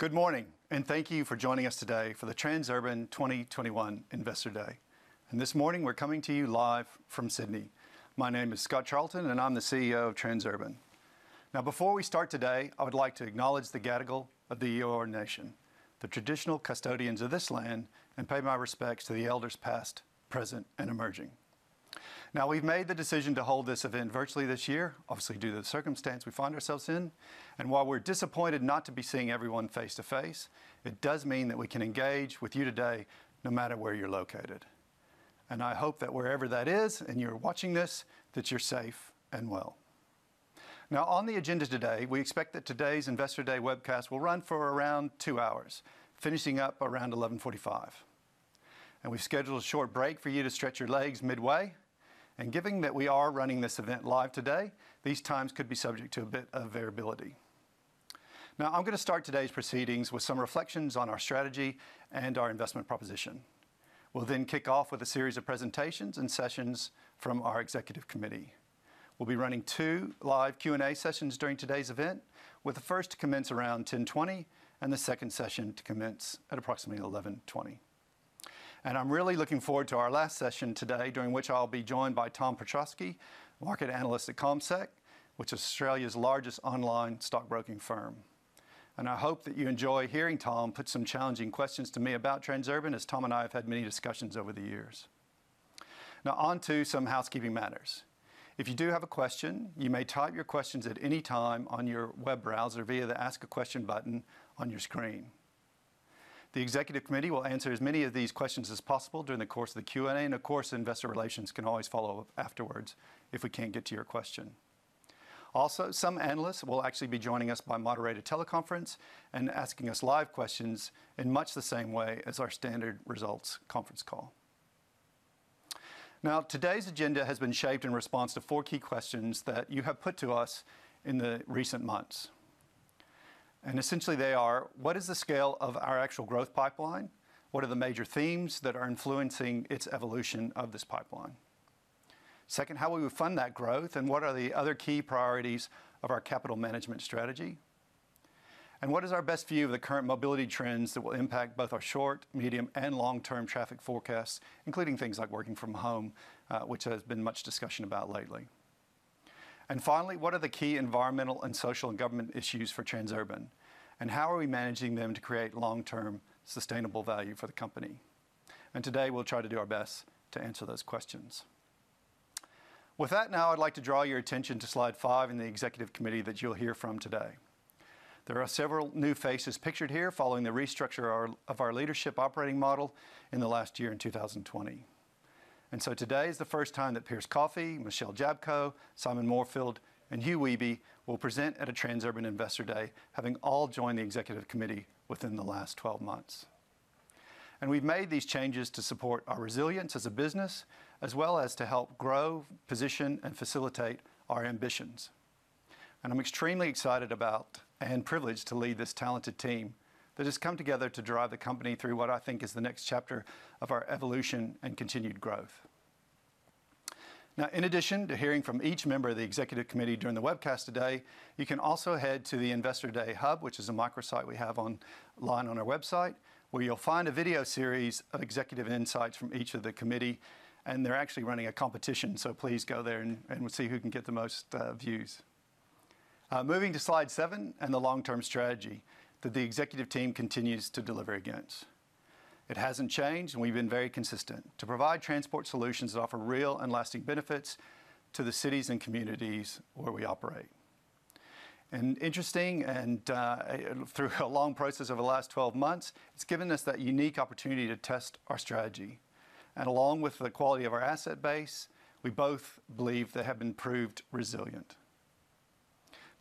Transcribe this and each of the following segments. Good morning, thank you for joining us today for the Transurban 2021 Investor Day. This morning, we're coming to you live from Sydney. My name is Scott Charlton, and I'm the CEO of Transurban. Now before we start today, I would like to acknowledge the Gadigal of the Eora Nation, the traditional custodians of this land, and pay my respects to the elders past, present, and emerging. Now we've made the decision to hold this event virtually this year, obviously due to the circumstance we find ourselves in. While we're disappointed not to be seeing everyone face-to-face, it does mean that we can engage with you today no matter where you're located. I hope that wherever that is and you're watching this, that you're safe and well. On the agenda today, we expect that today's Investor Day webcast will run for around two hours, finishing up around 11:45 A.M. We've scheduled a short break for you to stretch your legs midway. Given that we are running this event live today, these times could be subject to a bit of variability. I'm going to start today's proceedings with some reflections on our strategy and our investment proposition. We'll kick off with a series of presentations and sessions from our Executive Committee. We'll be running two live Q&A sessions during today's event, with the first to commence around 10:20 A.M., and the second session to commence at approximately 11:20 A.M. I'm really looking forward to our last session today, during which I'll be joined by Tom Piotrowski, market analyst at CommSec, which is Australia's largest online stockbroking firm. I hope that you enjoy hearing Tom Piotrowski put some challenging questions to me about Transurban, as Tom Piotrowski and I have had many discussions over the years. Onto some housekeeping matters. If you do have a question, you may type your questions at any time on your web browser via the Ask a Question button on your screen. The Executive Committee will answer as many of these questions as possible during the course of the Q&A. Of course, investor relations can always follow up afterwards if we can't get to your question. Some analysts will actually be joining us by moderated teleconference and asking us live questions in much the same way as our standard results conference call. Today's agenda has been shaped in response to four key questions that you have put to us in the recent months. Essentially, what is the scale of our actual growth pipeline? What are the major themes that are influencing its evolution of this pipeline? Second, how will we fund that growth, and what are the other key priorities of our capital management strategy? What is our best view of the current mobility trends that will impact both our short, medium, and long-term traffic forecasts, including things like working from home, which there has been much discussion about lately. Finally, what are the key environmental and social and government issues for Transurban, and how are we managing them to create long-term sustainable value for the company? Today we'll try to do our best to answer those questions. With that now I'd like to draw your attention to slide five and the Executive Committee that you'll hear from today. There are several new faces pictured here following the restructure of our leadership operating model in the last year in 2020. Today is the first time that Pierce Coffee, Michelle Jablko, Simon Moorfield, and Hugh Wehby will present at a Transurban Investor Day, having all joined the Executive Committee within the last 12 months. We've made these changes to support our resilience as a business, as well as to help grow, position, and facilitate our ambitions. I'm extremely excited about and privileged to lead this talented team that has come together to drive the company through what I think is the next chapter of our evolution and continued growth. In addition to hearing from each member of the executive committee during the webcast today, you can also head to the Investor Day Hub, which is a microsite we have online on our website, where you'll find a video series of executive insights from each of the committee. They're actually running a competition, please go there we'll see who can get the most views. Moving to slide seven the long-term strategy that the executive team continues to deliver against. It hasn't changed, we've been very consistent to provide transport solutions that offer real and lasting benefits to the cities and communities where we operate. Interesting and through a long process over the last 12 months, it's given us that unique opportunity to test our strategy. Along with the quality of our asset base, we both believe they have been proved resilient.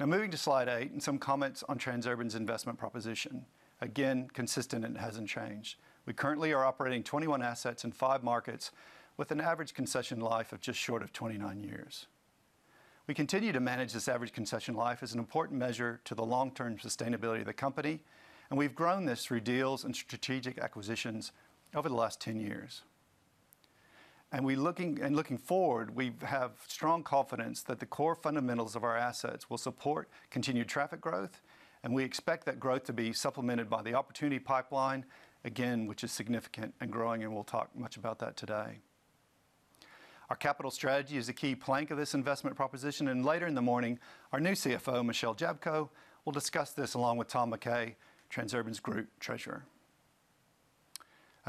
Moving to slide eight and some comments on Transurban's investment proposition. Consistent and it hasn't changed. We currently are operating 21 assets in five markets with an average concession life of just short of 29 years. We continue to manage this average concession life as an important measure to the long-term sustainability of the company, and we've grown this through deals and strategic acquisitions over the last 10 years. Looking forward, we have strong confidence that the core fundamentals of our assets will support continued traffic growth, and we expect that growth to be supplemented by the opportunity pipeline, again, which is significant and growing, and we'll talk much about that today. Our capital strategy is a key plank of this investment proposition, and later in the morning, our new CFO, Michelle Jablko, will discuss this along with Tom McKay, Transurban's Group Treasurer.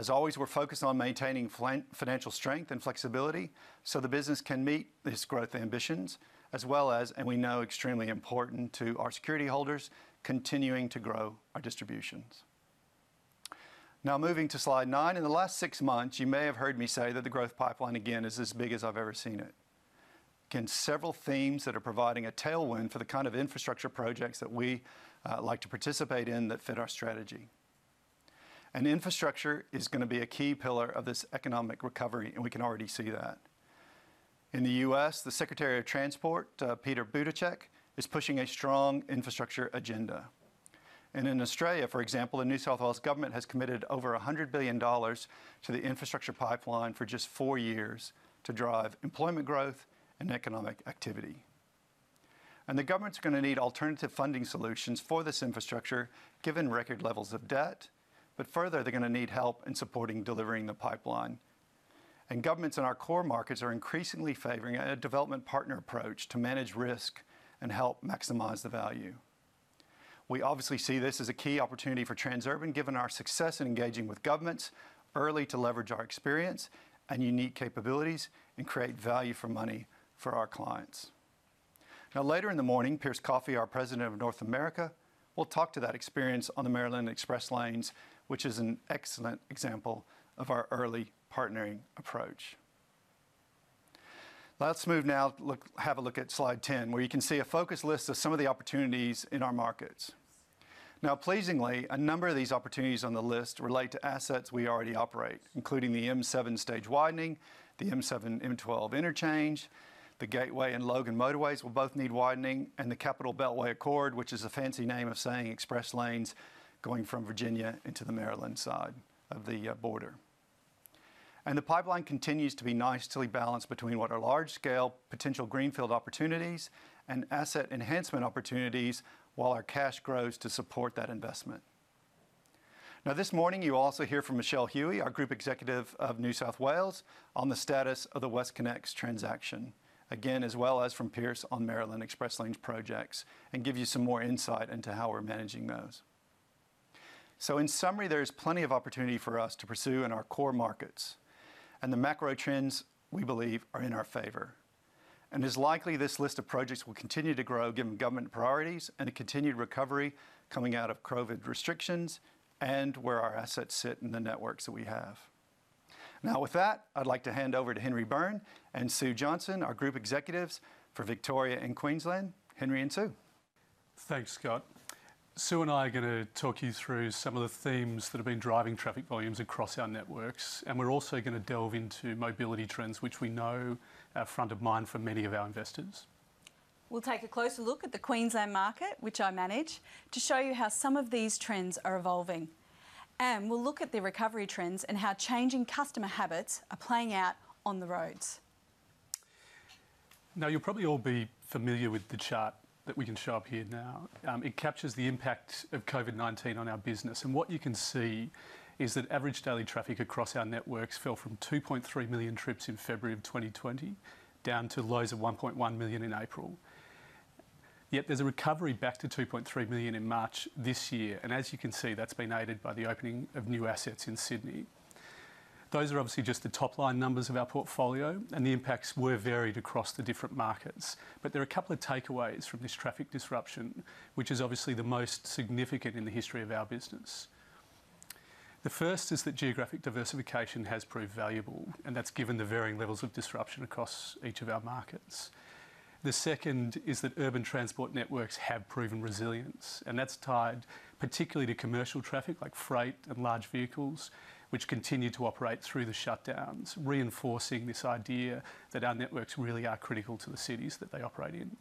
As always, we're focused on maintaining financial strength and flexibility so the business can meet its growth ambitions as well as, and we know extremely important to our security holders, continuing to grow our distributions. Moving to slide nine. In the last six months, you may have heard me say that the growth pipeline again is as big as I've ever seen it. Again, several themes that are providing a tailwind for the kind of infrastructure projects that we like to participate in that fit our strategy. Infrastructure is going to be a key pillar of this economic recovery, and we can already see that. In the U.S., the Secretary of Transport, Pete Buttigieg, is pushing a strong infrastructure agenda. In Australia, for example, the New South Wales Government has committed over 100 billion dollars to the infrastructure pipeline for just four years to drive employment growth and economic activity. The government's going to need alternative funding solutions for this infrastructure, given record levels of debt. Further, they're going to need help in supporting delivering the pipeline. Governments in our core markets are increasingly favoring a development partner approach to manage risk and help maximize the value. We obviously see this as a key opportunity for Transurban, given our success in engaging with governments early to leverage our experience and unique capabilities and create value for money for our clients. Later in the morning, Pierce Coffee, our President of North America, will talk to that experience on the Maryland Express Lanes, which is an excellent example of our early partnering approach. Let's move now, have a look at slide 10, where you can see a focus list of some of the opportunities in our markets. Pleasingly, a number of these opportunities on the list relate to assets we already operate, including the M7 stage widening, the M7/M12 interchange. The Gateway and Logan motorways will both need widening, and the Capital Beltway Accord, which is a fancy name of saying express lanes going from Virginia into the Maryland side of the border. The pipeline continues to be nicely balanced between what are large-scale potential greenfield opportunities and asset enhancement opportunities while our cash grows to support that investment. This morning, you will also hear from Michele Huey, our Group Executive, New South Wales, on the status of the WestConnex transaction, again, as well as from Pierce on Maryland Express Lanes projects, and give you some more insight into how we're managing those. In summary, there is plenty of opportunity for us to pursue in our core markets. The macro trends, we believe, are in our favor. It is likely this list of projects will continue to grow given government priorities and a continued recovery coming out of COVID restrictions and where our assets sit in the networks that we have. With that, I'd like to hand over to Henry Byrne and Sue Johnson, our Group Executives for Victoria and Queensland. Henry and Sue. Thanks, Scott. Sue and I are going to talk you through some of the themes that have been driving traffic volumes across our networks, and we're also going to delve into mobility trends, which we know are front of mind for many of our investors. We'll take a closer look at the Queensland market, which I manage, to show you how some of these trends are evolving. We'll look at the recovery trends and how changing customer habits are playing out on the roads. You'll probably all be familiar with the chart that we can show up here now. It captures the impact of COVID-19 on our business. What you can see is that average daily traffic across our networks fell from 2.3 million trips in February of 2020 down to lows of 1.1 million in April. There's a recovery back to 2.3 million in March this year, and as you can see, that's been aided by the opening of new assets in Sydney. Those are obviously just the top-line numbers of our portfolio, and the impacts were varied across the different markets. There are a couple of takeaways from this traffic disruption, which is obviously the most significant in the history of our business. The first is that geographic diversification has proved valuable, and that's given the varying levels of disruption across each of our markets. The second is that urban transport networks have proven resilience, and that's tied particularly to commercial traffic like freight and large vehicles, which continued to operate through the shutdowns, reinforcing this idea that our networks really are critical to the cities that they operate in.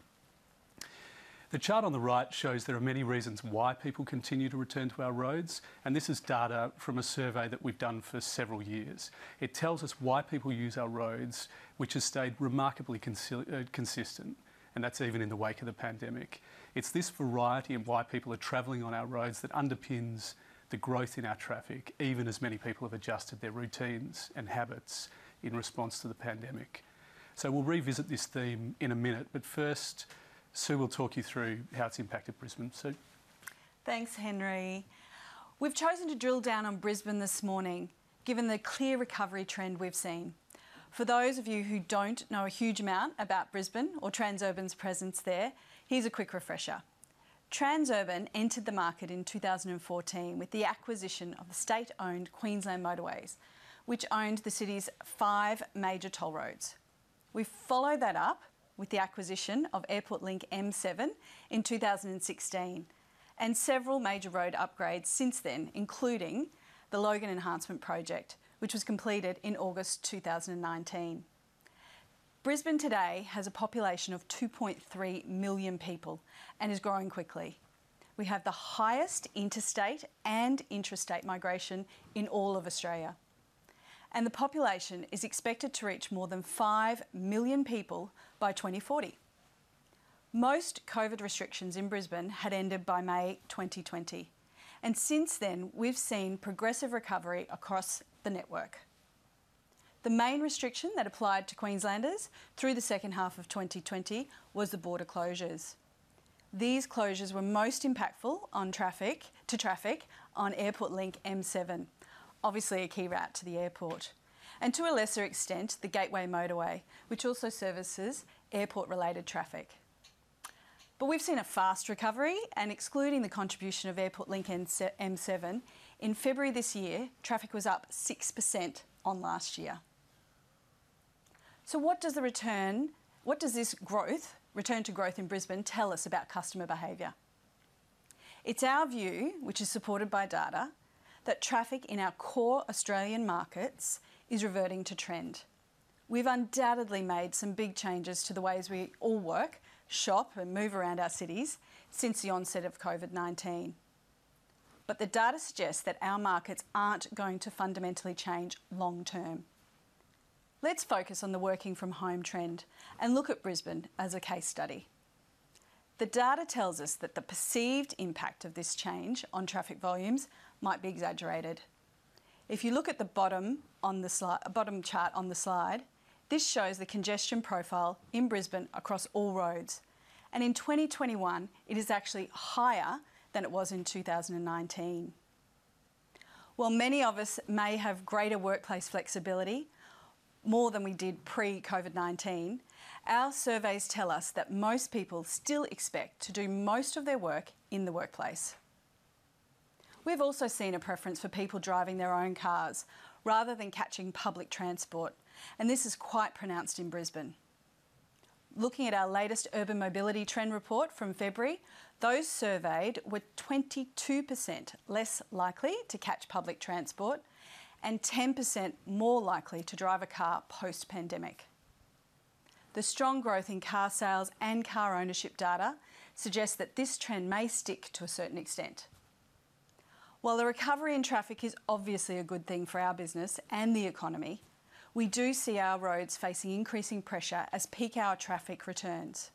The chart on the right shows there are many reasons why people continue to return to our roads, and this is data from a survey that we've done for several years. It tells us why people use our roads, which has stayed remarkably consistent, and that's even in the wake of the pandemic. It's this variety of why people are traveling on our roads that underpins the growth in our traffic, even as many people have adjusted their routines and habits in response to the pandemic. We'll revisit this theme in a minute, but first, Sue will talk you through how it's impacted Brisbane. Sue? Thanks, Henry. We've chosen to drill down on Brisbane this morning given the clear recovery trend we've seen. For those of you who don't know a huge amount about Brisbane or Transurban's presence there, here's a quick refresher. Transurban entered the market in 2014 with the acquisition of the state-owned Queensland Motorways, which owned the city's five major toll roads. We followed that up with the acquisition of AirportlinkM7 in 2016, and several major road upgrades since then, including the Logan Enhancement Project, which was completed in August 2019. Brisbane today has a population of 2.3 million people and is growing quickly. We have the highest interstate and intrastate migration in all of Australia. The population is expected to reach more than 5 million people by 2040. Most COVID restrictions in Brisbane had ended by May 2020, and since then, we've seen progressive recovery across the network. The main restriction that applied to Queenslanders through the second half of 2020 was the border closures. These closures were most impactful to traffic on AirportlinkM7, obviously a key route to the airport, and to a lesser extent, the Gateway Motorway, which also services airport-related traffic. We've seen a fast recovery, and excluding the contribution of AirportlinkM7, in February this year, traffic was up 6% on last year. What does this growth, return to growth in Brisbane tell us about customer behavior? It's our view, which is supported by data, that traffic in our core Australian markets is reverting to trend. We've undoubtedly made some big changes to the ways we all work, shop, and move around our cities since the onset of COVID-19. The data suggests that our markets aren't going to fundamentally change long term. Let's focus on the working from home trend and look at Brisbane as a case study. The data tells us that the perceived impact of this change on traffic volumes might be exaggerated. If you look at the bottom chart on the slide, this shows the congestion profile in Brisbane across all roads. In 2021, it is actually higher than it was in 2019. While many of us may have greater workplace flexibility, more than we did pre-COVID-19, our surveys tell us that most people still expect to do most of their work in the workplace. We've also seen a preference for people driving their own cars rather than catching public transport, and this is quite pronounced in Brisbane. Looking at our latest urban mobility trend report from February, those surveyed were 22% less likely to catch public transport and 10% more likely to drive a car post-pandemic. The strong growth in car sales and car ownership data suggests that this trend may stick to a certain extent. While the recovery in traffic is obviously a good thing for our business and the economy, we do see our roads facing increasing pressure as peak hour traffic returns.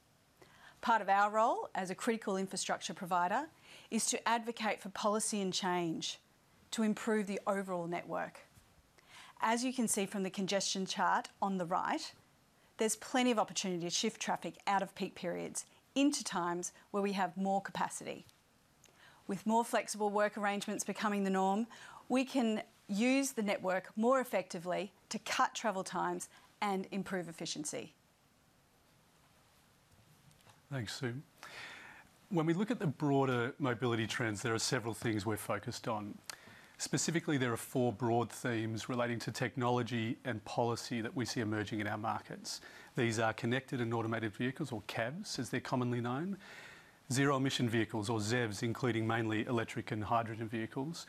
Part of our role as a critical infrastructure provider is to advocate for policy and change to improve the overall network. As you can see from the congestion chart on the right, there is plenty of opportunity to shift traffic out of peak periods into times where we have more capacity. With more flexible work arrangements becoming the norm, we can use the network more effectively to cut travel times and improve efficiency. Thanks, Sue. When we look at the broader mobility trends, there are several things we're focused on. Specifically, there are four broad themes relating to technology and policy that we see emerging in our markets. These are connected and automated vehicles, or CAVs as they're commonly known. Zero-emission vehicles or ZEVs, including mainly electric and hydrogen vehicles.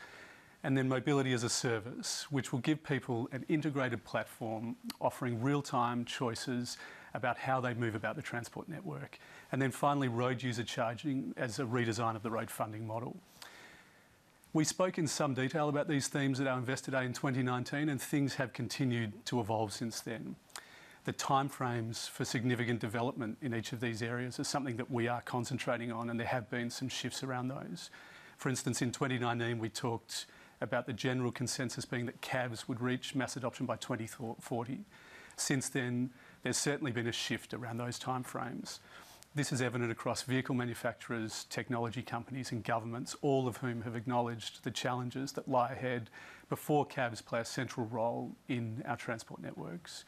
Mobility as a service, which will give people an integrated platform offering real-time choices about how they move about the transport network. Finally, road user charging as a redesign of the road funding model. We spoke in some detail about these themes at our Investor Day in 2019. Things have continued to evolve since then. The timeframes for significant development in each of these areas is something that we are concentrating on. There have been some shifts around those. For instance, in 2019, we talked about the general consensus being that CAVs would reach mass adoption by 2040. There's certainly been a shift around those timeframes. This is evident across vehicle manufacturers, technology companies, and governments, all of whom have acknowledged the challenges that lie ahead before CAVs play a central role in our transport networks.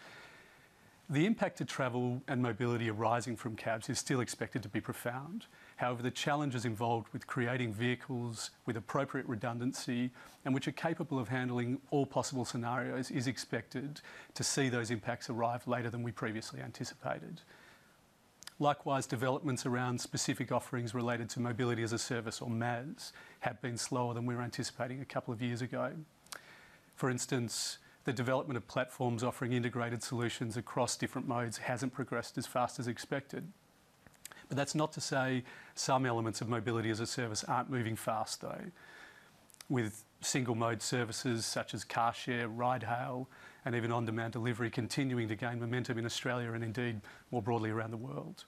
The impact to travel and mobility arising from CAVs is still expected to be profound. The challenges involved with creating vehicles with appropriate redundancy and which are capable of handling all possible scenarios is expected to see those impacts arrive later than we previously anticipated. Developments around specific offerings related to Mobility as a Service or MaaS have been slower than we were anticipating a couple of years ago. The development of platforms offering integrated solutions across different modes hasn't progressed as fast as expected. That's not to say some elements of Mobility as a Service aren't moving fast, though. With single-mode services such as car share, ride hail, and even on-demand delivery continuing to gain momentum in Australia and indeed more broadly around the world.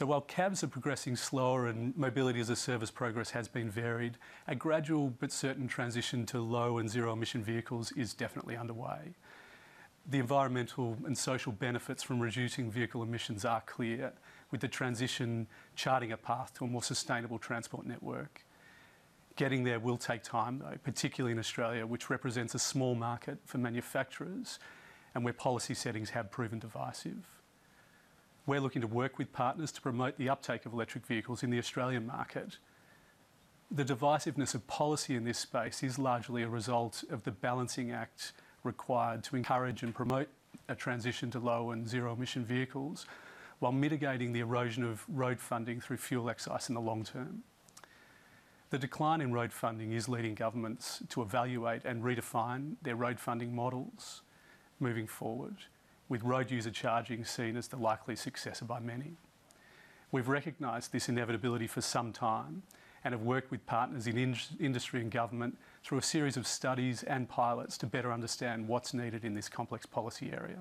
While CAVs are progressing slower and Mobility as a Service progress has been varied, a gradual but certain transition to low and Zero-Emission Vehicles is definitely underway. The environmental and social benefits from reducing vehicle emissions are clear, with the transition charting a path to a more sustainable transport network. Getting there will take time, though, particularly in Australia, which represents a small market for manufacturers and where policy settings have proven divisive. We're looking to work with partners to promote the uptake of electric vehicles in the Australian market. The divisiveness of policy in this space is largely a result of the balancing act required to encourage and promote a transition to low and zero-emission vehicles while mitigating the erosion of road funding through fuel excise in the long term. The decline in road funding is leading governments to evaluate and redefine their road funding models moving forward, with road user charging seen as the likely successor by many. We've recognized this inevitability for some time and have worked with partners in industry and government through a series of studies and pilots to better understand what's needed in this complex policy area.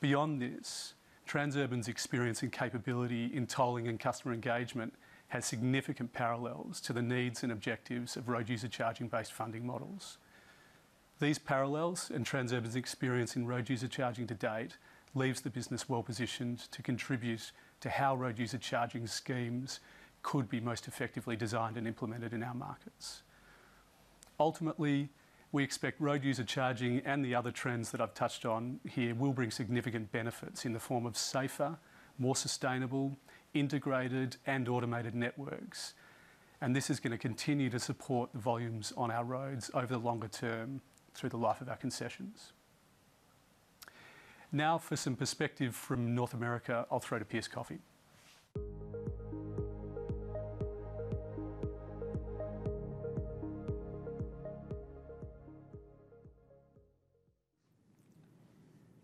Beyond this, Transurban's experience and capability in tolling and customer engagement has significant parallels to the needs and objectives of road user charging based funding models. These parallels and Transurban's experience in road user charging to date leaves the business well-positioned to contribute to how road user charging schemes could be most effectively designed and implemented in our markets. Ultimately, we expect road user charging and the other trends that I've touched on here will bring significant benefits in the form of safer, more sustainable, integrated, and automated networks. This is going to continue to support the volumes on our roads over the longer term through the life of our concessions. Now for some perspective from North America, I'll throw to Pierce Coffee.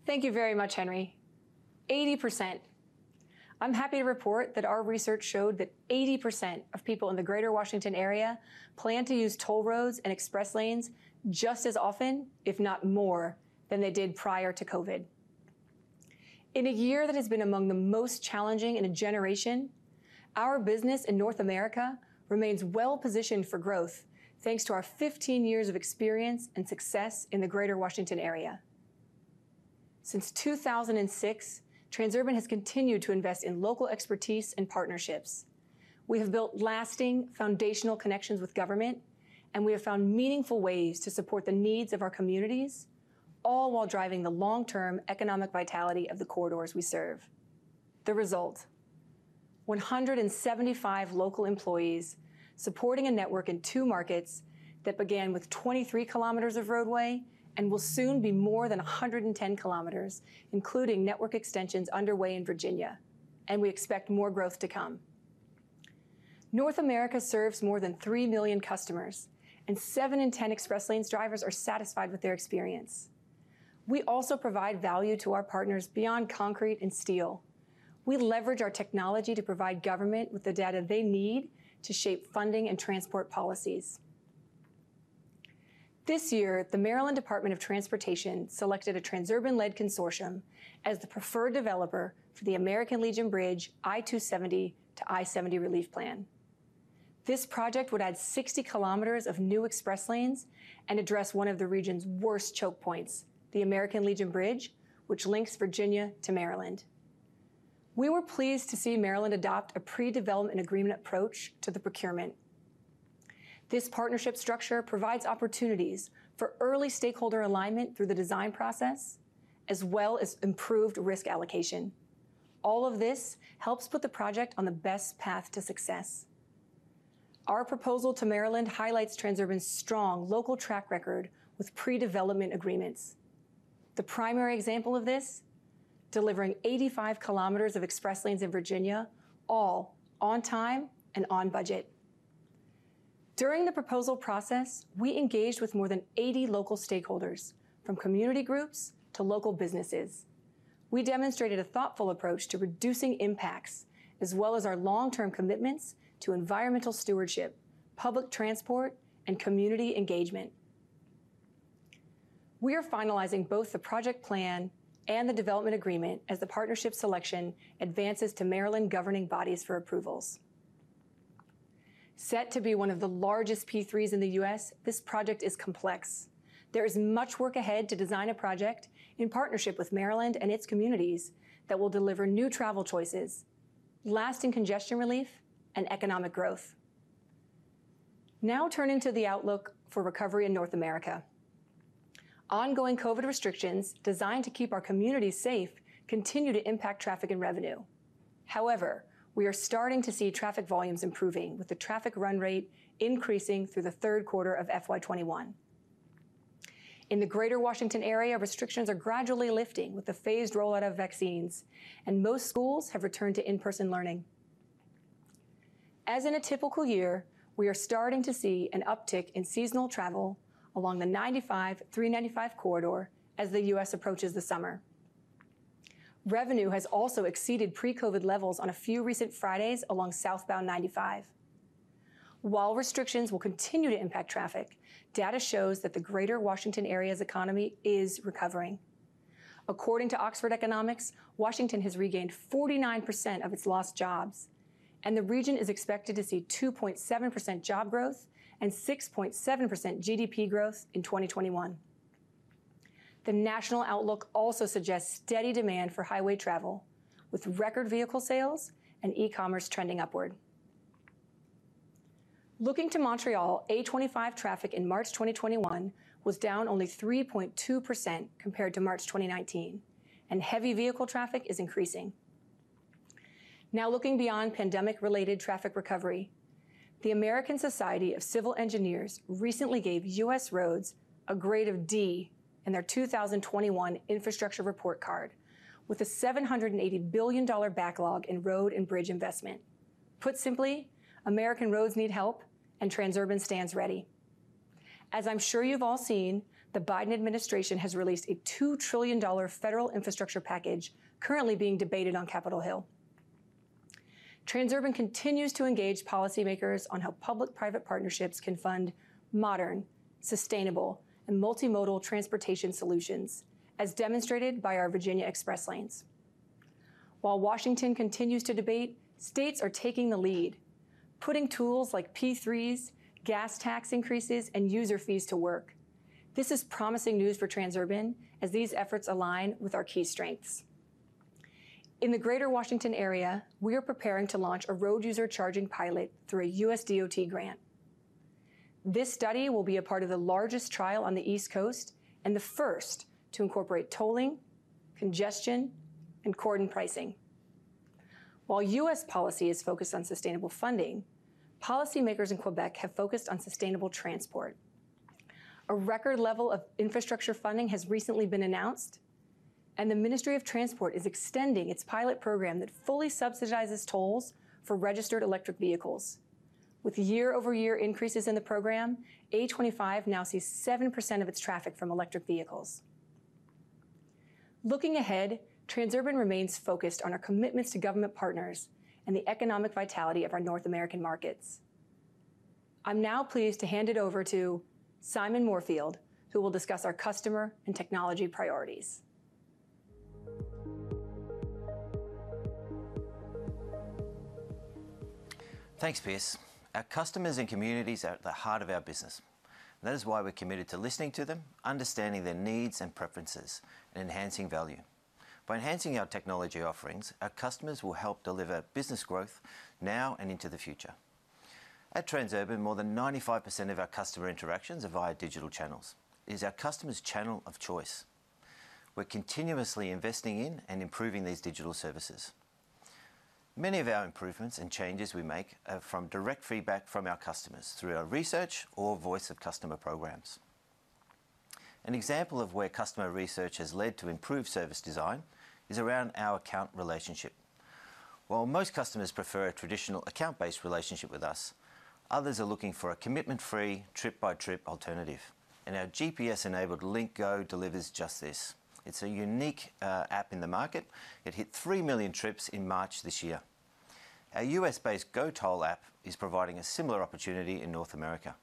Thank you very much, Henry. 80%. I'm happy to report that our research showed that 80% of people in the Greater Washington Area plan to use toll roads and express lanes just as often, if not more, than they did prior to COVID. In a year that has been among the most challenging in a generation, our business in North America remains well-positioned for growth, thanks to our 15 years of experience and success in the Greater Washington Area. Since 2006, Transurban has continued to invest in local expertise and partnerships. We have built lasting foundational connections with government, and we have found meaningful ways to support the needs of our communities, all while driving the long-term economic vitality of the corridors we serve. The result, 175 local employees supporting a network in two markets that began with 23 km of roadway and will soon be more than 110 km, including network extensions underway in Virginia, and we expect more growth to come. North America serves more than three million customers, and seven in 10 express lanes drivers are satisfied with their experience. We also provide value to our partners beyond concrete and steel. We leverage our technology to provide government with the data they need to shape funding and transport policies. This year, the Maryland Department of Transportation selected a Transurban-led consortium as the preferred developer for the American Legion Bridge I-270 to I-70 relief plan. This project would add 60 kilometers of new express lanes and address one of the region's worst choke points, the American Legion Bridge, which links Virginia to Maryland. We were pleased to see Maryland adopt a pre-development agreement approach to the procurement. This partnership structure provides opportunities for early stakeholder alignment through the design process, as well as improved risk allocation. All of this helps put the project on the best path to success. Our proposal to Maryland highlights Transurban's strong local track record with pre-development agreements. The primary example of this, delivering 85 km of express lanes in Virginia, all on time and on budget. During the proposal process, we engaged with more than 80 local stakeholders, from community groups to local businesses. We demonstrated a thoughtful approach to reducing impacts, as well as our long-term commitments to environmental stewardship, public transport, and community engagement. We are finalizing both the project plan and the development agreement as the partnership selection advances to Maryland governing bodies for approvals. Set to be one of the largest P3s in the U.S., this project is complex. There is much work ahead to design a project in partnership with Maryland and its communities that will deliver new travel choices, lasting congestion relief, and economic growth. Turning to the outlook for recovery in North America. Ongoing COVID restrictions designed to keep our communities safe continue to impact traffic and revenue. We are starting to see traffic volumes improving, with the traffic run rate increasing through the third quarter of FY 2021. In the Greater Washington Area, restrictions are gradually lifting with the phased rollout of vaccines, and most schools have returned to in-person learning. As in a typical year, we are starting to see an uptick in seasonal travel along the 95/395 corridor as the U.S. approaches the summer. Revenue has also exceeded pre-COVID levels on a few recent Fridays along southbound 95. While restrictions will continue to impact traffic, data shows that the Greater Washington Area's economy is recovering. According to Oxford Economics, Washington has regained 49% of its lost jobs, and the region is expected to see 2.7% job growth and 6.7% GDP growth in 2021. The national outlook also suggests steady demand for highway travel, with record vehicle sales and e-commerce trending upward. Looking to Montreal, A25 traffic in March 2021 was down only 3.2% compared to March 2019, and heavy vehicle traffic is increasing. Looking beyond pandemic-related traffic recovery, the American Society of Civil Engineers recently gave U.S. roads a grade of D in their 2021 infrastructure report card, with a $780 billion backlog in road and bridge investment. Put simply, American roads need help, and Transurban stands ready. As I'm sure you've all seen, the Biden administration has released a $2 trillion federal infrastructure package currently being debated on Capitol Hill. Transurban continues to engage policymakers on how public-private partnerships can fund modern, sustainable, and multimodal transportation solutions, as demonstrated by our Virginia express lanes. While Washington continues to debate, states are taking the lead, putting tools like P3s, gas tax increases, and user fees to work. This is promising news for Transurban, as these efforts align with our key strengths. In the Greater Washington area, we are preparing to launch a road user charging pilot through a USDOT grant. This study will be a part of the largest trial on the East Coast and the first to incorporate tolling, congestion, and cordon pricing. While U.S. policy is focused on sustainable funding, policymakers in Quebec have focused on sustainable transport. A record level of infrastructure funding has recently been announced, and the Ministry of Transport is extending its pilot program that fully subsidizes tolls for registered electric vehicles. With year-over-year increases in the program, A25 now sees 7% of its traffic from electric vehicles. Looking ahead, Transurban remains focused on our commitments to government partners and the economic vitality of our North American markets. I'm now pleased to hand it over to Simon Moorfield, who will discuss our customer and technology priorities. Thanks, Pierce. Our customers and communities are at the heart of our business. That is why we're committed to listening to them, understanding their needs and preferences, and enhancing value. By enhancing our technology offerings, our customers will help deliver business growth now and into the future. At Transurban, more than 95% of our customer interactions are via digital channels. It is our customers' channel of choice. We're continuously investing in and improving these digital services. Many of our improvements and changes we make are from direct feedback from our customers through our research or voice of customer programs. An example of where customer research has led to improved service design is around our account relationship. While most customers prefer a traditional account-based relationship with us, others are looking for a commitment-free trip-by-trip alternative, and our GPS-enabled LinktGO delivers just this. It's a unique app in the market. It hit 3 million trips in March this year. Our U.S.-based GoToll app is providing a similar opportunity in North America.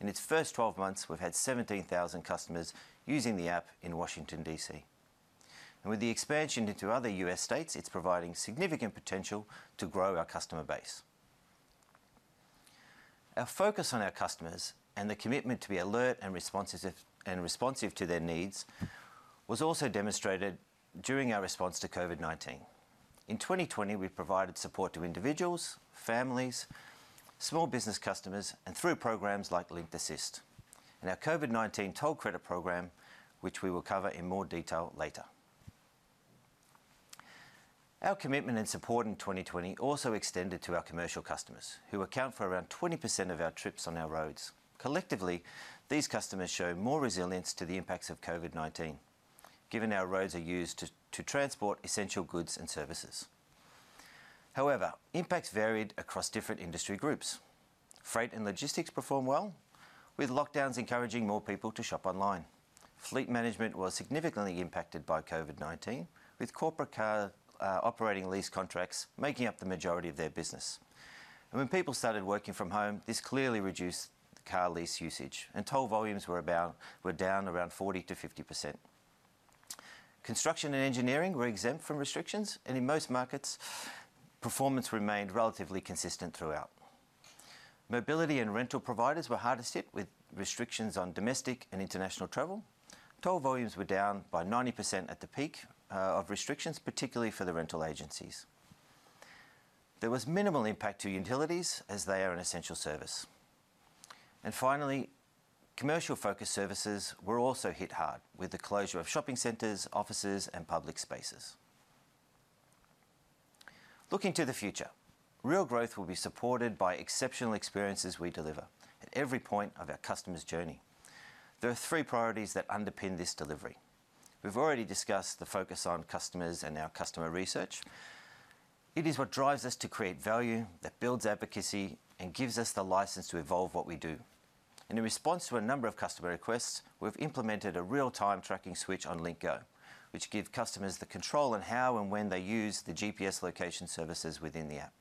In its first 12 months, we've had 17,000 customers using the app in Washington, D.C. With the expansion into other U.S. states, it's providing significant potential to grow our customer base. Our focus on our customers and the commitment to be alert and responsive to their needs was also demonstrated during our response to COVID-19. In 2020, we provided support to individuals, families, small business customers, and through programs like Linkt Assist and our COVID-19 Toll Credit Program, which we will cover in more detail later. Our commitment and support in 2020 also extended to our commercial customers who account for around 20% of our trips on our roads. Collectively, these customers show more resilience to the impacts of COVID-19, given our roads are used to transport essential goods and services. However, impacts varied across different industry groups. Freight and logistics performed well, with lockdowns encouraging more people to shop online. Fleet management was significantly impacted by COVID-19, with corporate car operating lease contracts making up the majority of their business. When people started working from home, this clearly reduced car lease usage and toll volumes were down around 40%-50%. Construction and engineering were exempt from restrictions, and in most markets, performance remained relatively consistent throughout. Mobility and rental providers were hardest hit with restrictions on domestic and international travel. Toll volumes were down by 90% at the peak of restrictions, particularly for the rental agencies. There was minimal impact to utilities as they are an essential service. Finally, commercial-focused services were also hit hard with the closure of shopping centers, offices, and public spaces. Looking to the future, real growth will be supported by exceptional experiences we deliver at every point of our customer's journey. There are three priorities that underpin this delivery. We've already discussed the focus on customers and our customer research. It is what drives us to create value that builds advocacy and gives us the license to evolve what we do. In response to a number of customer requests, we've implemented a real-time tracking switch on LinktGO, which give customers the control on how and when they use the GPS location services within the app.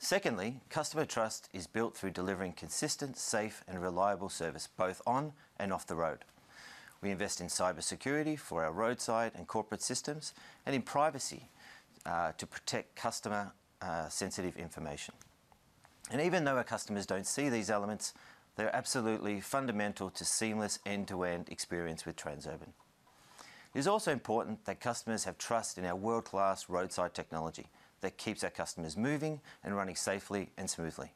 Secondly, customer trust is built through delivering consistent, safe, and reliable service both on and off the road. We invest in cybersecurity for our roadside and corporate systems and in privacy to protect customer sensitive information. Even though our customers don't see these elements, they're absolutely fundamental to seamless end-to-end experience with Transurban. It is also important that customers have trust in our world-class roadside technology that keeps our customers moving and running safely and smoothly.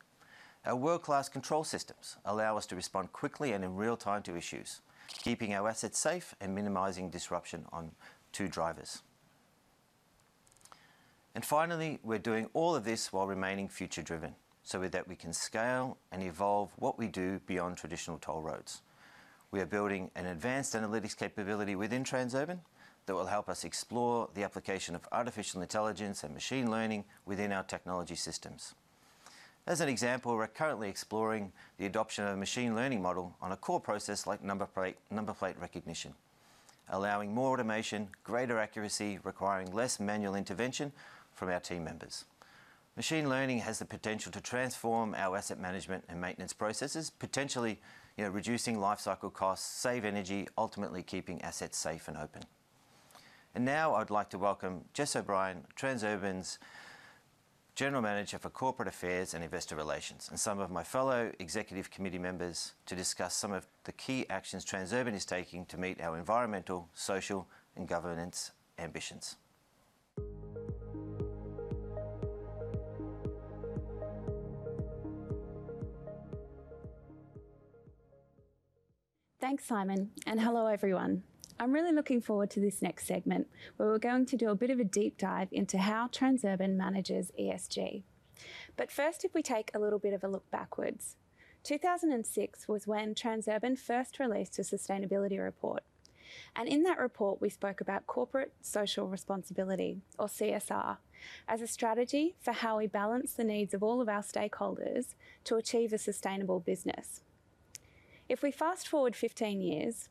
Our world-class control systems allow us to respond quickly and in real time to issues, keeping our assets safe and minimizing disruption to drivers. Finally, we're doing all of this while remaining future-driven so that we can scale and evolve what we do beyond traditional toll roads. We are building an advanced analytics capability within Transurban that will help us explore the application of artificial intelligence and machine learning within our technology systems. As an example, we're currently exploring the adoption of a machine learning model on a core process like number plate recognition, allowing more automation, greater accuracy, requiring less manual intervention from our team members. Machine learning has the potential to transform our asset management and maintenance processes, potentially reducing lifecycle costs, save energy, ultimately keeping assets safe and open. Now I'd like to welcome Jess O'Brien, Transurban's General Manager for Corporate Affairs and Investor Relations, and some of my fellow executive committee members to discuss some of the key actions Transurban is taking to meet our environmental, social, and governance ambitions. Thanks, Simon. Hello everyone. I'm really looking forward to this next segment, where we're going to do a bit of a deep dive into how Transurban manages ESG. First, if we take a little bit of a look backwards. 2006 was when Transurban first released a sustainability report, and in that report we spoke about corporate social responsibility, or CSR, as a strategy for how we balance the needs of all of our stakeholders to achieve a sustainable business. If we fast-forward 15 years,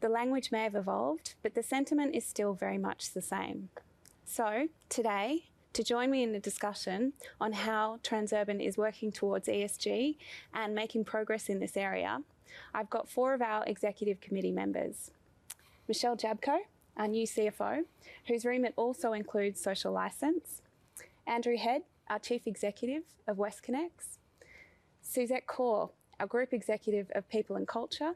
the language may have evolved, but the sentiment is still very much the same. Today, to join me in the discussion on how Transurban is working towards ESG and making progress in this area, I've got four of our Executive Committee members. Michelle Jablko, our new CFO, whose remit also includes social license. Andrew Head, our Chief Executive of WestConnex. Suzette Corr, our Group Executive of People and Culture.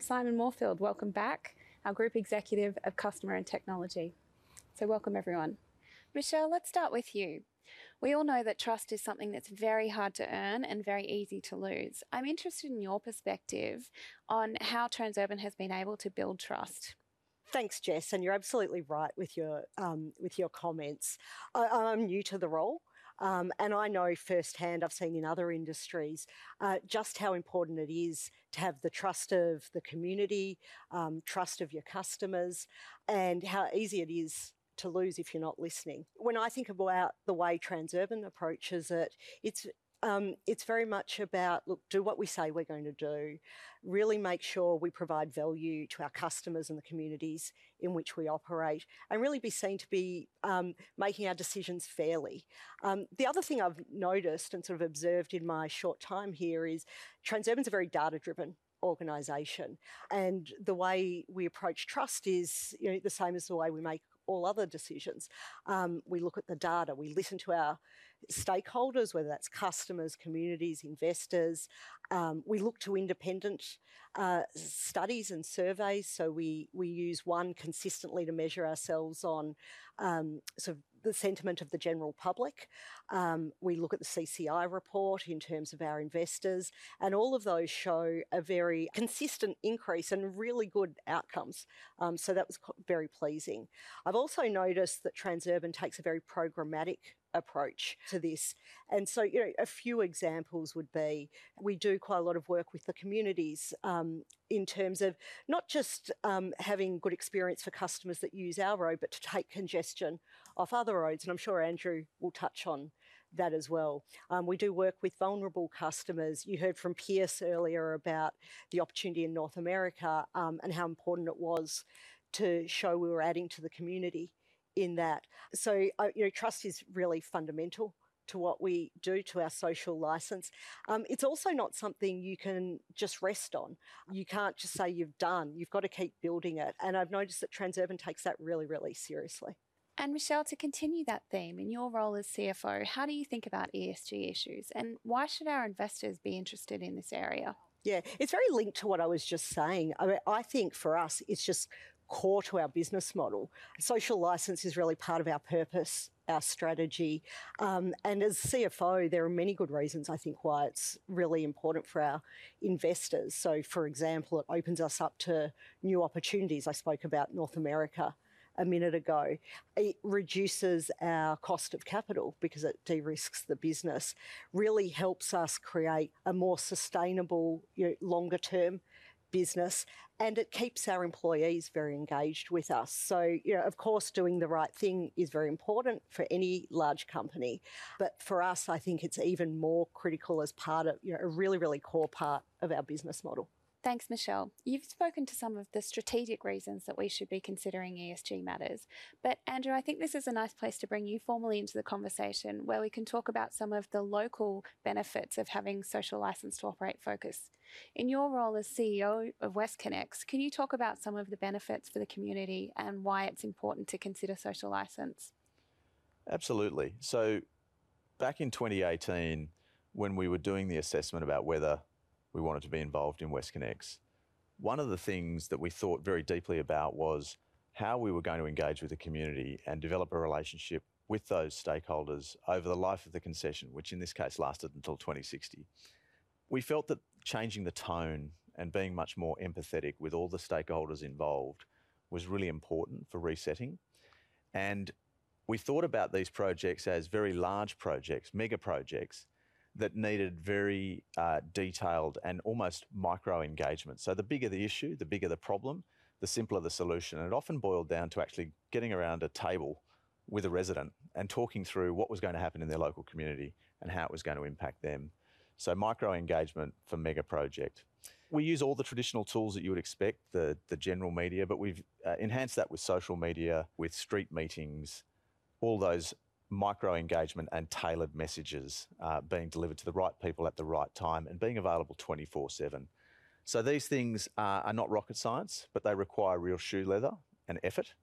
Simon Moorfield, welcome back, our Group Executive of Customer and Technology. Welcome, everyone. Michelle, let's start with you. We all know that trust is something that's very hard to earn and very easy to lose. I'm interested in your perspective on how Transurban has been able to build trust. Thanks, Jess. You're absolutely right with your comments. I'm new to the role. I know firsthand, I've seen in other industries, just how important it is to have the trust of the community, trust of your customers, and how easy it is to lose if you're not listening. When I think about the way Transurban approaches it's very much about do what we say we're going to do, really make sure we provide value to our customers and the communities in which we operate, really be seen to be making our decisions fairly. The other thing I've noticed and sort of observed in my short time here is Transurban's a very data-driven organization. The way we approach trust is the same as the way we make all other decisions. We look at the data, we listen to our stakeholders, whether that's customers, communities, investors. We look to independent studies and surveys. We use one consistently to measure ourselves on the sentiment of the general public. We look at the CCI report in terms of our investors, and all of those show a very consistent increase and really good outcomes. That was very pleasing. I've also noticed that Transurban takes a very programmatic approach to this. A few examples would be, we do quite a lot of work with the communities in terms of not just having good experience for customers that use our road, but to take congestion off other roads. I'm sure Andrew will touch on that as well. We do work with vulnerable customers. You heard from Pierce earlier about the opportunity in North America, and how important it was to show we were adding to the community in that. Trust is really fundamental to what we do, to our social license. It's also not something you can just rest on. You can't just say you've done. You've got to keep building it, and I've noticed that Transurban takes that really, really seriously. Michelle Jablko, to continue that theme, in your role as CFO, how do you think about ESG issues, and why should our investors be interested in this area? Yeah. It's very linked to what I was just saying. I think for us, it's just core to our business model. Social license is really part of our purpose, our strategy, and as CFO, there are many good reasons, I think, why it's really important for our investors. For example, it opens us up to new opportunities. I spoke about North America a minute ago. It reduces our cost of capital because it de-risks the business. Really helps us create a more sustainable longer-term business, and it keeps our employees very engaged with us. Of course, doing the right thing is very important for any large company. For us, I think it's even more critical as part of a really, really core part of our business model. Thanks, Michelle. You've spoken to some of the strategic reasons that we should be considering ESG matters. Andrew, I think this is a nice place to bring you formally into the conversation, where we can talk about some of the local benefits of having social license to operate focus. In your role as CEO of WestConnex, can you talk about some of the benefits for the community and why it's important to consider social license? Absolutely. Back in 2018, when we were doing the assessment about whether we wanted to be involved in WestConnex, one of the things that we thought very deeply about was how we were going to engage with the community and develop a relationship with those stakeholders over the life of the concession, which in this case lasted until 2060. We felt that changing the tone and being much more empathetic with all the stakeholders involved was really important for resetting. We thought about these projects as very large projects, mega projects, that needed very detailed and almost micro engagement. The bigger the issue, the bigger the problem, the simpler the solution, and it often boiled down to actually getting around a table with a resident and talking through what was going to happen in their local community and how it was going to impact them. Micro engagement for mega project. We use all the traditional tools that you would expect, the general media, but we've enhanced that with social media, with street meetings, all those micro engagement and tailored messages being delivered to the right people at the right time, and being available 24/7. These things are not rocket science, but they require real shoe leather and effort.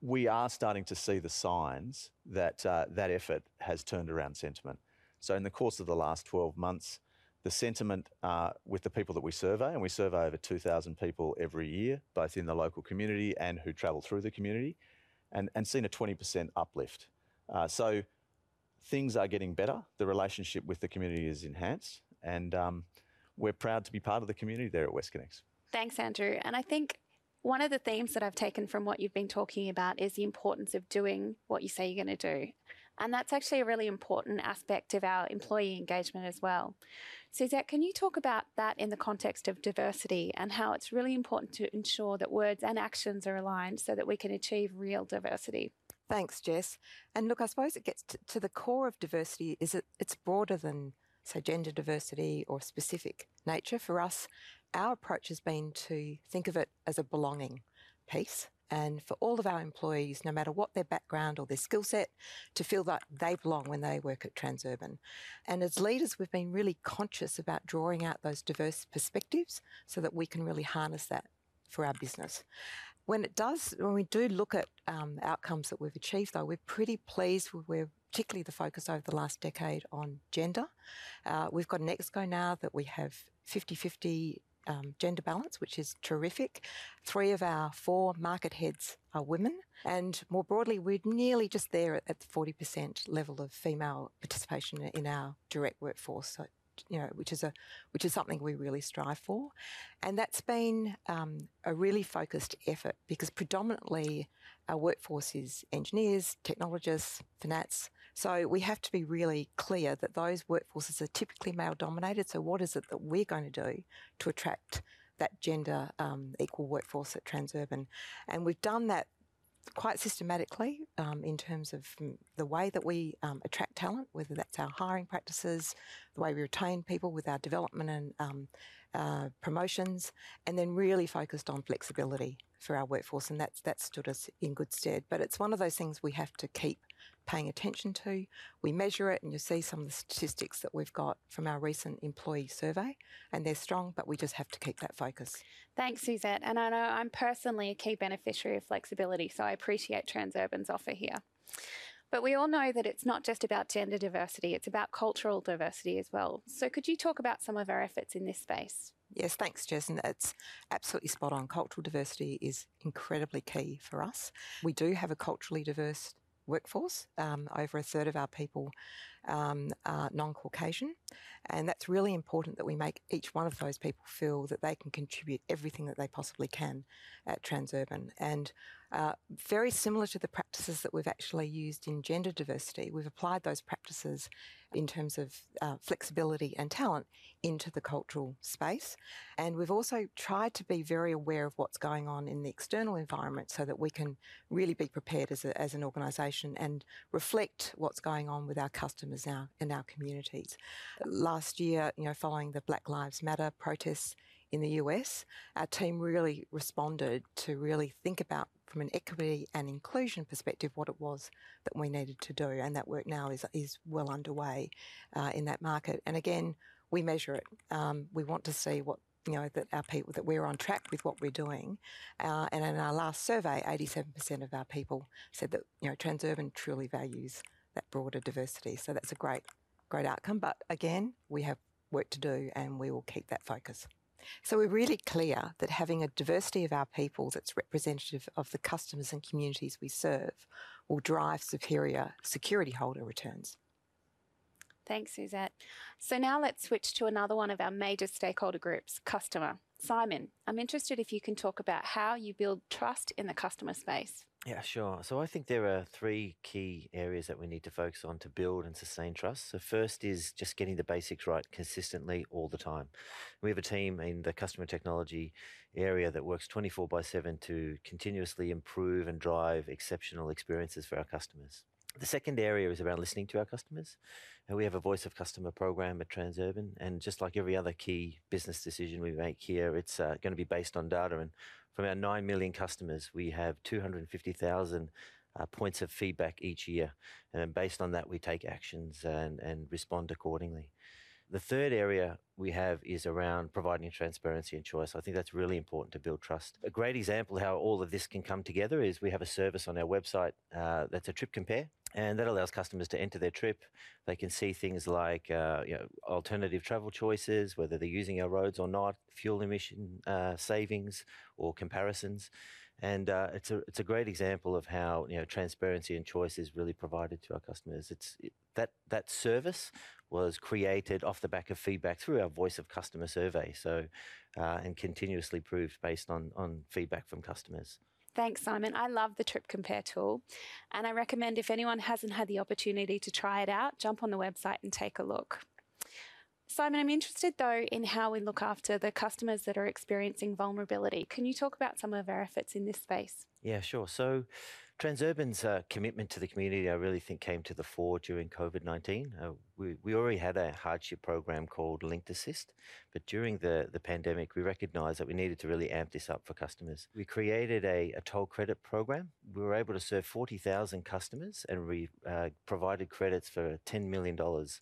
We are starting to see the signs that that effort has turned around sentiment. In the course of the last 12 months, the sentiment with the people that we survey, and we survey over 2,000 people every year, both in the local community and who travel through the community, and seen a 20% uplift. Things are getting better. The relationship with the community is enhanced, and we're proud to be part of the community there at WestConnex. Thanks, Andrew. I think one of the themes that I've taken from what you've been talking about is the importance of doing what you say you're going to do, and that's actually a really important aspect of our employee engagement as well. Suzette, can you talk about that in the context of diversity and how it's really important to ensure that words and actions are aligned so that we can achieve real diversity? Thanks, Jess. Look, I suppose it gets to the core of diversity is it's broader than, say, gender diversity or specific nature. For us, our approach has been to think of it as a belonging piece, and for all of our employees, no matter what their background or their skillset, to feel that they belong when they work at Transurban. As leaders, we've been really conscious about drawing out those diverse perspectives so that we can really harness that for our business. When we do look at outcomes that we've achieved, though, we're pretty pleased with particularly the focus over the last decade on gender. We've got an exco now that we have 50/50 gender balance, which is terrific. Three of our four market heads are women, and more broadly, we're nearly just there at the 40% level of female participation in our direct workforce, which is something we really strive for. That's been a really focused effort because predominantly our workforce is engineers, technologists, finance. We have to be really clear that those workforces are typically male-dominated, so what is it that we're going to do to attract that gender-equal workforce at Transurban? We've done that quite systematically in terms of the way that we attract talent, whether that's our hiring practices, the way we retain people with our development and promotions, and then really focused on flexibility for our workforce, and that stood us in good stead. It's one of those things we have to keep paying attention to. We measure it. You'll see some of the statistics that we've got from our recent employee survey. They're strong. We just have to keep that focus. Thanks, Suzette. I know I'm personally a key beneficiary of flexibility, so I appreciate Transurban's offer here. We all know that it's not just about gender diversity, it's about cultural diversity as well. Could you talk about some of our efforts in this space? Yes. Thanks, Jess. It's absolutely spot on. Cultural diversity is incredibly key for us. We do have a culturally diverse workforce. Over a third of our people are non-Caucasian, and that's really important that we make each one of those people feel that they can contribute everything that they possibly can at Transurban. Very similar to the practices that we've actually used in gender diversity, we've applied those practices in terms of flexibility and talent into the cultural space. We've also tried to be very aware of what's going on in the external environment so that we can really be prepared as an organization and reflect what's going on with our customers and our communities. Last year, following the Black Lives Matter protests in the U.S., our team really responded to really think about, from an equity and inclusion perspective, what it was that we needed to do. That work now is well underway in that market. Again, we measure it. We want to see that we're on track with what we're doing. In our last survey, 87% of our people said that Transurban truly values that broader diversity. That's a great outcome. Again, we have work to do, and we will keep that focus. We're really clear that having a diversity of our people that's representative of the customers and communities we serve will drive superior security holder returns. Thanks, Suzette. Now let's switch to another one of our major stakeholder groups, customer. Simon, I'm interested if you can talk about how you build trust in the customer space. Yeah, sure. I think there are three key areas that we need to focus on to build and sustain trust. First is just getting the basics right consistently all the time. We have a team in the customer technology area that works 24x7 to continuously improve and drive exceptional experiences for our customers. The second area is around listening to our customers. We have a voice of customer program at Transurban, just like every other key business decision we make here, it's going to be based on data. From our 9 million customers, we have 250,000 points of feedback each year. Then based on that, we take actions and respond accordingly. The third area we have is around providing transparency and choice. I think that's really important to build trust. A great example of how all of this can come together is we have a service on our website that's a trip compare, and that allows customers to enter their trip. They can see things like alternative travel choices, whether they're using our roads or not, fuel emission savings or comparisons, and it's a great example of how transparency and choice is really provided to our customers. That service was created off the back of feedback through our voice of customer survey and continuously improved based on feedback from customers. Thanks, Simon. I love the trip compare tool. I recommend if anyone hasn't had the opportunity to try it out, jump on the website and take a look. Simon, I'm interested, though, in how we look after the customers that are experiencing vulnerability. Can you talk about some of our efforts in this space? Yeah, sure. Transurban's commitment to the community, I really think, came to the fore during COVID-19. We already had a hardship program called Linkt Assist, but during the pandemic, we recognized that we needed to really amp this up for customers. We created a toll credit program. We were able to serve 40,000 customers, and we provided credits for 10 million dollars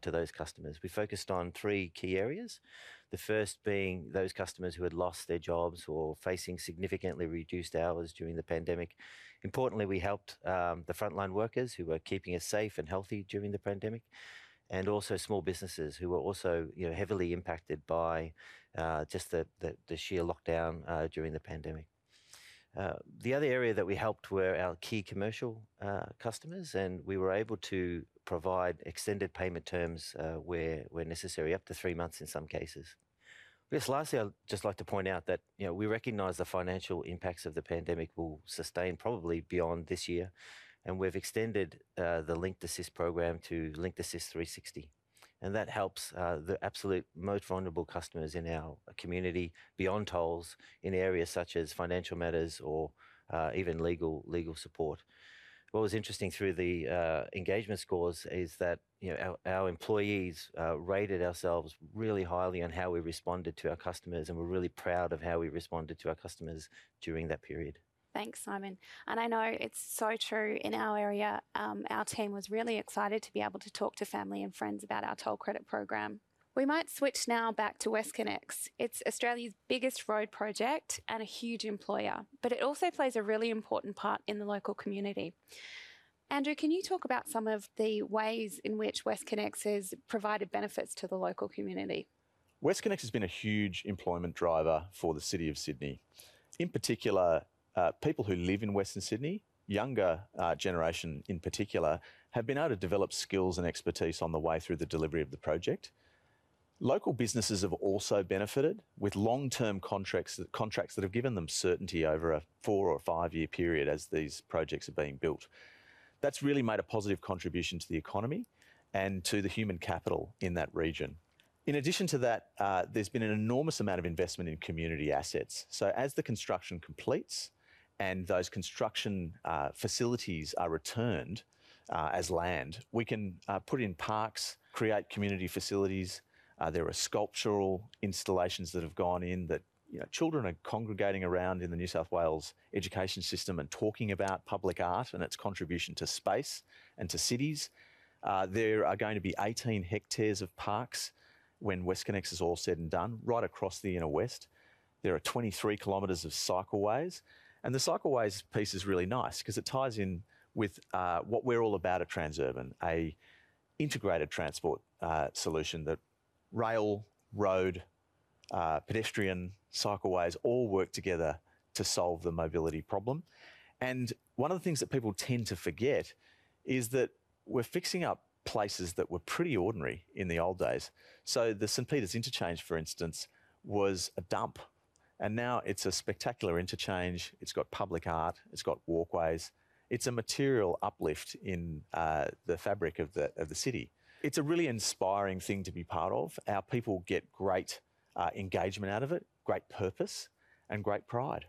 to those customers. We focused on three key areas, the first being those customers who had lost their jobs or facing significantly reduced hours during the pandemic. Importantly, we helped the frontline workers who were keeping us safe and healthy during the pandemic, and also small businesses who were also heavily impacted by just the sheer lockdown during the pandemic. The other area that we helped were our key commercial customers, and we were able to provide extended payment terms where necessary, up to three months in some cases. Yes, lastly, I'd just like to point out that we recognize the financial impacts of the pandemic will sustain probably beyond this year, and we've extended the Linkt Assist program to Linkt Assist 360. That helps the absolute most vulnerable customers in our community beyond tolls in areas such as financial matters or even legal support. What was interesting through the engagement scores is that our employees rated ourselves really highly on how we responded to our customers, and we're really proud of how we responded to our customers during that period. Thanks, Simon. I know it's so true in our area. Our team was really excited to be able to talk to family and friends about our toll credit program. We might switch now back to WestConnex. It's Australia's biggest road project and a huge employer, but it also plays a really important part in the local community. Andrew, can you talk about some of the ways in which WestConnex has provided benefits to the local community? WestConnex has been a huge employment driver for the city of Sydney. In particular, people who live in Western Sydney, younger generation in particular, have been able to develop skills and expertise on the way through the delivery of the project. Local businesses have also benefited with long-term contracts that have given them certainty over a four- or five-year period as these projects are being built. That's really made a positive contribution to the economy and to the human capital in that region. In addition to that, there's been an enormous amount of investment in community assets. As the construction completes and those construction facilities are returned as land, we can put in parks, create community facilities. There are sculptural installations that have gone in that children are congregating around in the New South Wales education system and talking about public art and its contribution to space and to cities. There are going to be 18 hectares of parks when WestConnex is all said and done, right across the Inner West. The cycleways piece is really nice because it ties in with what we're all about at Transurban, an integrated transport solution that rail, road, pedestrian, cycleways all work together to solve the mobility problem. One of the things that people tend to forget is that we're fixing up places that were pretty ordinary in the old days. The St Peters Interchange, for instance, was a dump, and now it's a spectacular interchange. It's got public art. It's got walkways. It's a material uplift in the fabric of the city. It's a really inspiring thing to be part of. Our people get great engagement out of it, great purpose, and great pride.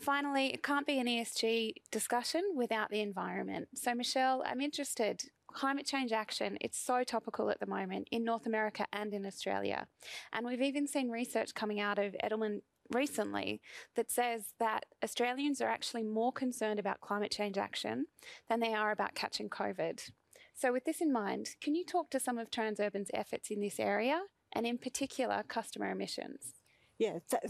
Finally, it can't be an ESG discussion without the environment. Michelle, I'm interested. Climate change action, it's so topical at the moment in North America and in Australia. We've even seen research coming out of Edelman recently that says that Australians are actually more concerned about climate change action than they are about catching COVID. With this in mind, can you talk to some of Transurban's efforts in this area, and in particular, customer emissions?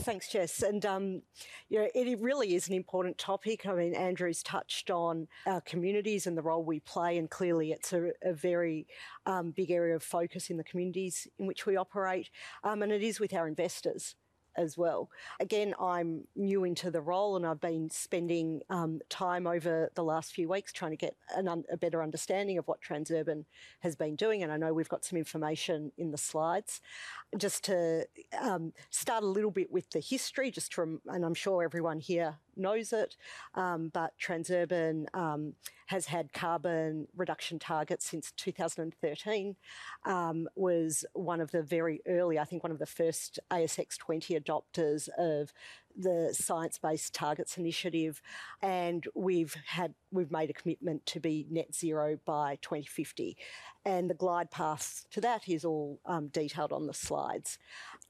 Thanks, Jess. It really is an important topic. Andrew's touched on our communities and the role we play, clearly it's a very big area of focus in the communities in which we operate. It is with our investors as well. I'm new into the role, I've been spending time over the last few weeks trying to get a better understanding of what Transurban has been doing, I know we've got some information in the slides. I'm sure everyone here knows it, Transurban has had carbon reduction targets since 2013. It was one of the very early, I think one of the first ASX 20 adopters of the Science Based Targets initiative. We've made a commitment to be net zero by 2050. The glide path to that is all detailed on the slides.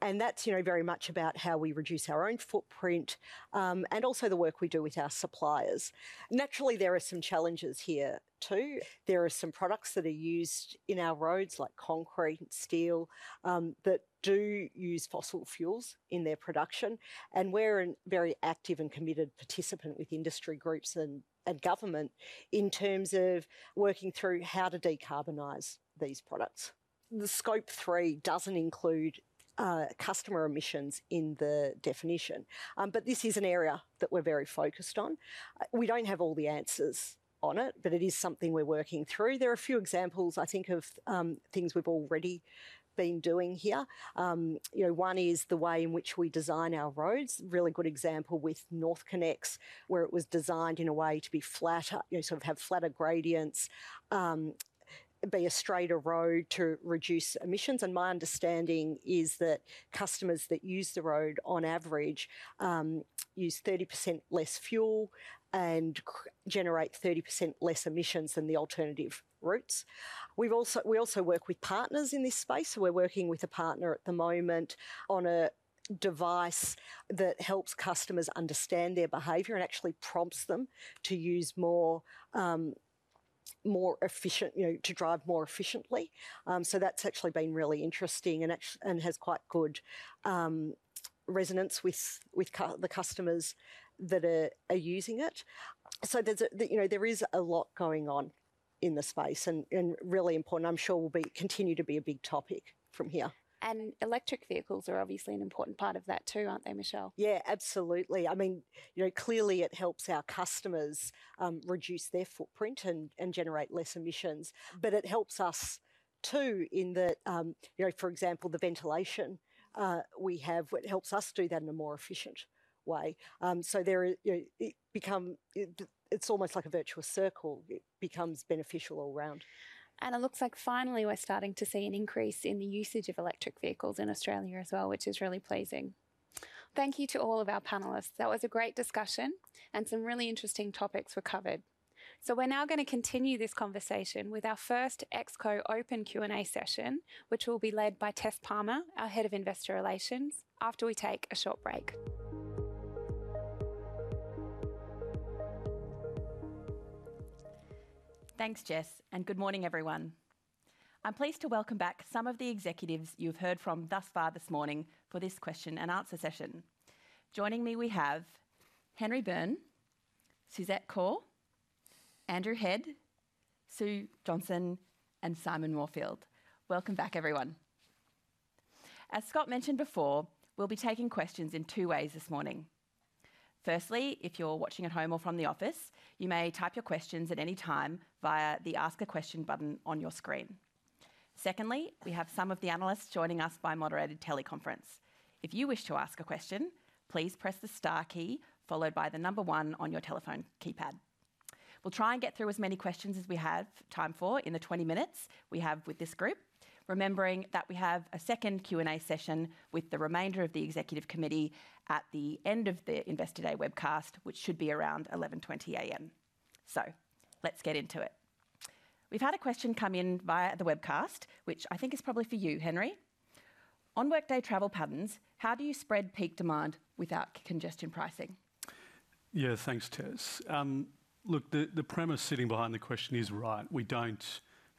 That's very much about how we reduce our own footprint and also the work we do with our suppliers. Naturally, there are some challenges here too. There are some products that are used in our roads, like concrete and steel, that do use fossil fuels in their production, and we're a very active and committed participant with industry groups and government in terms of working through how to decarbonize these products. The Scope 3 doesn't include customer emissions in the definition, but this is an area that we're very focused on. We don't have all the answers on it, but it is something we're working through. There are a few examples, I think, of things we've already been doing here. One is the way in which we design our roads. A really good example with NorthConnex, where it was designed in a way to have flatter gradients, be a straighter road to reduce emissions. My understanding is that customers that use the road on average use 30% less fuel and generate 30% less emissions than the alternative routes. We also work with partners in this space. We're working with a partner at the moment on a device that helps customers understand their behavior and actually prompts them to drive more efficiently. That's actually been really interesting and has quite good resonance with the customers that are using it. There is a lot going on in the space, and really important, I'm sure will continue to be a big topic from here. Electric vehicles are obviously an important part of that too, aren't they, Michelle? Yeah, absolutely. Clearly it helps our customers reduce their footprint and generate less emissions. It helps us too in the, for example, the ventilation we have, it helps us do that in a more efficient way. It's almost like a virtual circle. It becomes beneficial all around. It looks like finally we're starting to see an increase in the usage of electric vehicles in Australia as well, which is really pleasing. Thank you to all of our panelists. That was a great discussion, some really interesting topics were covered. We're now going to continue this conversation with our first Exco open Q&A session, which will be led by Tess Palmer, our Head of Investor Relations, after we take a short break. Thanks, Jess. Good morning, everyone. I'm pleased to welcome back some of the executives you've heard from thus far this morning for this question and answer session. Joining me, we have Henry Byrne, Suzette Corr, Andrew Head, Sue Johnson, and Simon Moorfield. Welcome back, everyone. As Scott mentioned before, we'll be taking questions in two ways this morning. Firstly, if you're watching at home or from the office, you may type your questions at any time via the Ask a question button on your screen. Secondly, we have some of the analysts joining us by moderated teleconference. If you wish to ask a question, please press the star key, followed by the number one on your telephone keypad. We'll try and get through as many questions as we have time for in the 20 minutes we have with this group, remembering that we have a second Q&A session with the remainder of the Executive Committee at the end of the Investor Day webcast, which should be around 11:20 A.M. Let's get into it. We've had a question come in via the webcast, which I think is probably for you, Henry. On workday travel patterns, how do you spread peak demand without congestion pricing? Thanks, Tess. Look, the premise sitting behind the question is right. We don't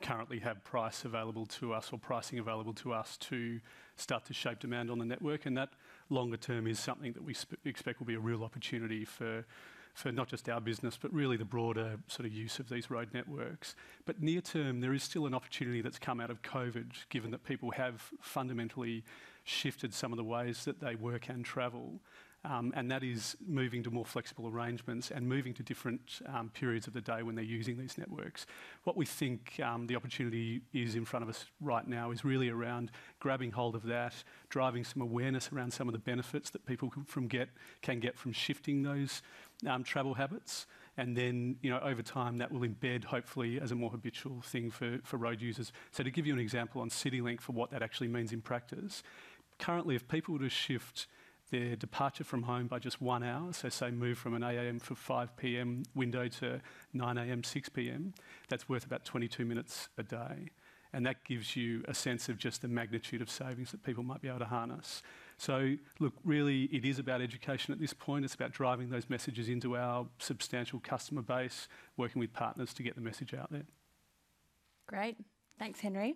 currently have price available to us or pricing available to us to start to shape demand on the network. That longer term is something that we expect will be a real opportunity for not just our business, but really the broader use of these road networks. Near term, there is still an opportunity that's come out of COVID, given that people have fundamentally shifted some of the ways that they work and travel. That is moving to more flexible arrangements and moving to different periods of the day when they're using these networks. What we think the opportunity is in front of us right now is really around grabbing hold of that, driving some awareness around some of the benefits that people can get from shifting those travel habits. Over time, that will embed hopefully as a more habitual thing for road users. To give you an example on CityLink for what that actually means in practice, currently if people were to shift their departure from home by just one hour, so say move from an A.M. to 5:00 P.M. window to 9:00 A.M.-6:00 P.M., that's worth about 22 minutes a day. That gives you a sense of just the magnitude of savings that people might be able to harness. Look, really it is about education at this point. It's about driving those messages into our substantial customer base, working with partners to get the message out there. Great. Thanks, Henry.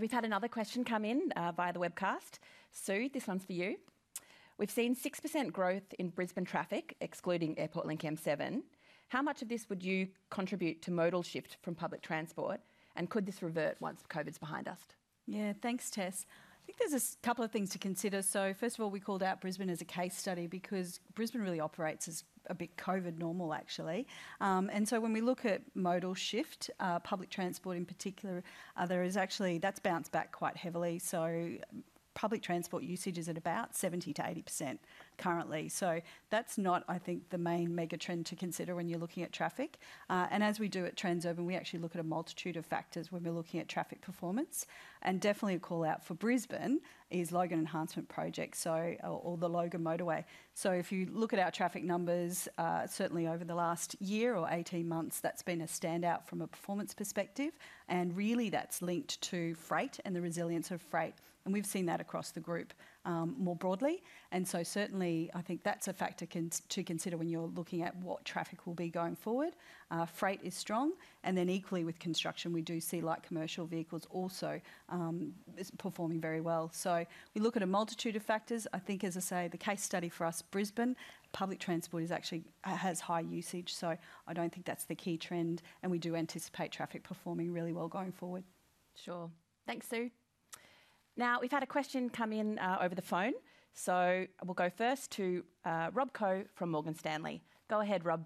We've had another question come in via the webcast. Sue, this one's for you. We've seen 6% growth in Brisbane traffic, excluding AirportlinkM7. How much of this would you contribute to modal shift from public transport, and could this revert once COVID's behind us? Thanks, Tess. I think there's a couple of things to consider. First of all, we called out Brisbane as a case study because Brisbane really operates as a bit COVID normal, actually. When we look at modal shift, public transport in particular, that's bounced back quite heavily. Public transport usage is at about 70%-80% currently. That's not, I think, the main mega trend to consider when you're looking at traffic. As we do at Transurban, we actually look at a multitude of factors when we're looking at traffic performance. Definitely a call-out for Brisbane is Logan Enhancement Project, or the Logan Motorway. If you look at our traffic numbers, certainly over the last year or 18 months, that's been a standout from a performance perspective. Really that's linked to freight and the resilience of freight. We've seen that across the group more broadly. Certainly, I think that's a factor to consider when you're looking at what traffic will be going forward. Freight is strong, and then equally with construction, we do see light commercial vehicles also performing very well. We look at a multitude of factors. I think, as I say, the case study for us, Brisbane, public transport actually has high usage, so I don't think that's the key trend. We do anticipate traffic performing really well going forward. Sure. Thanks, Sue. We've had a question come in over the phone. We'll go first to Rob Koh from Morgan Stanley. Go ahead, Rob.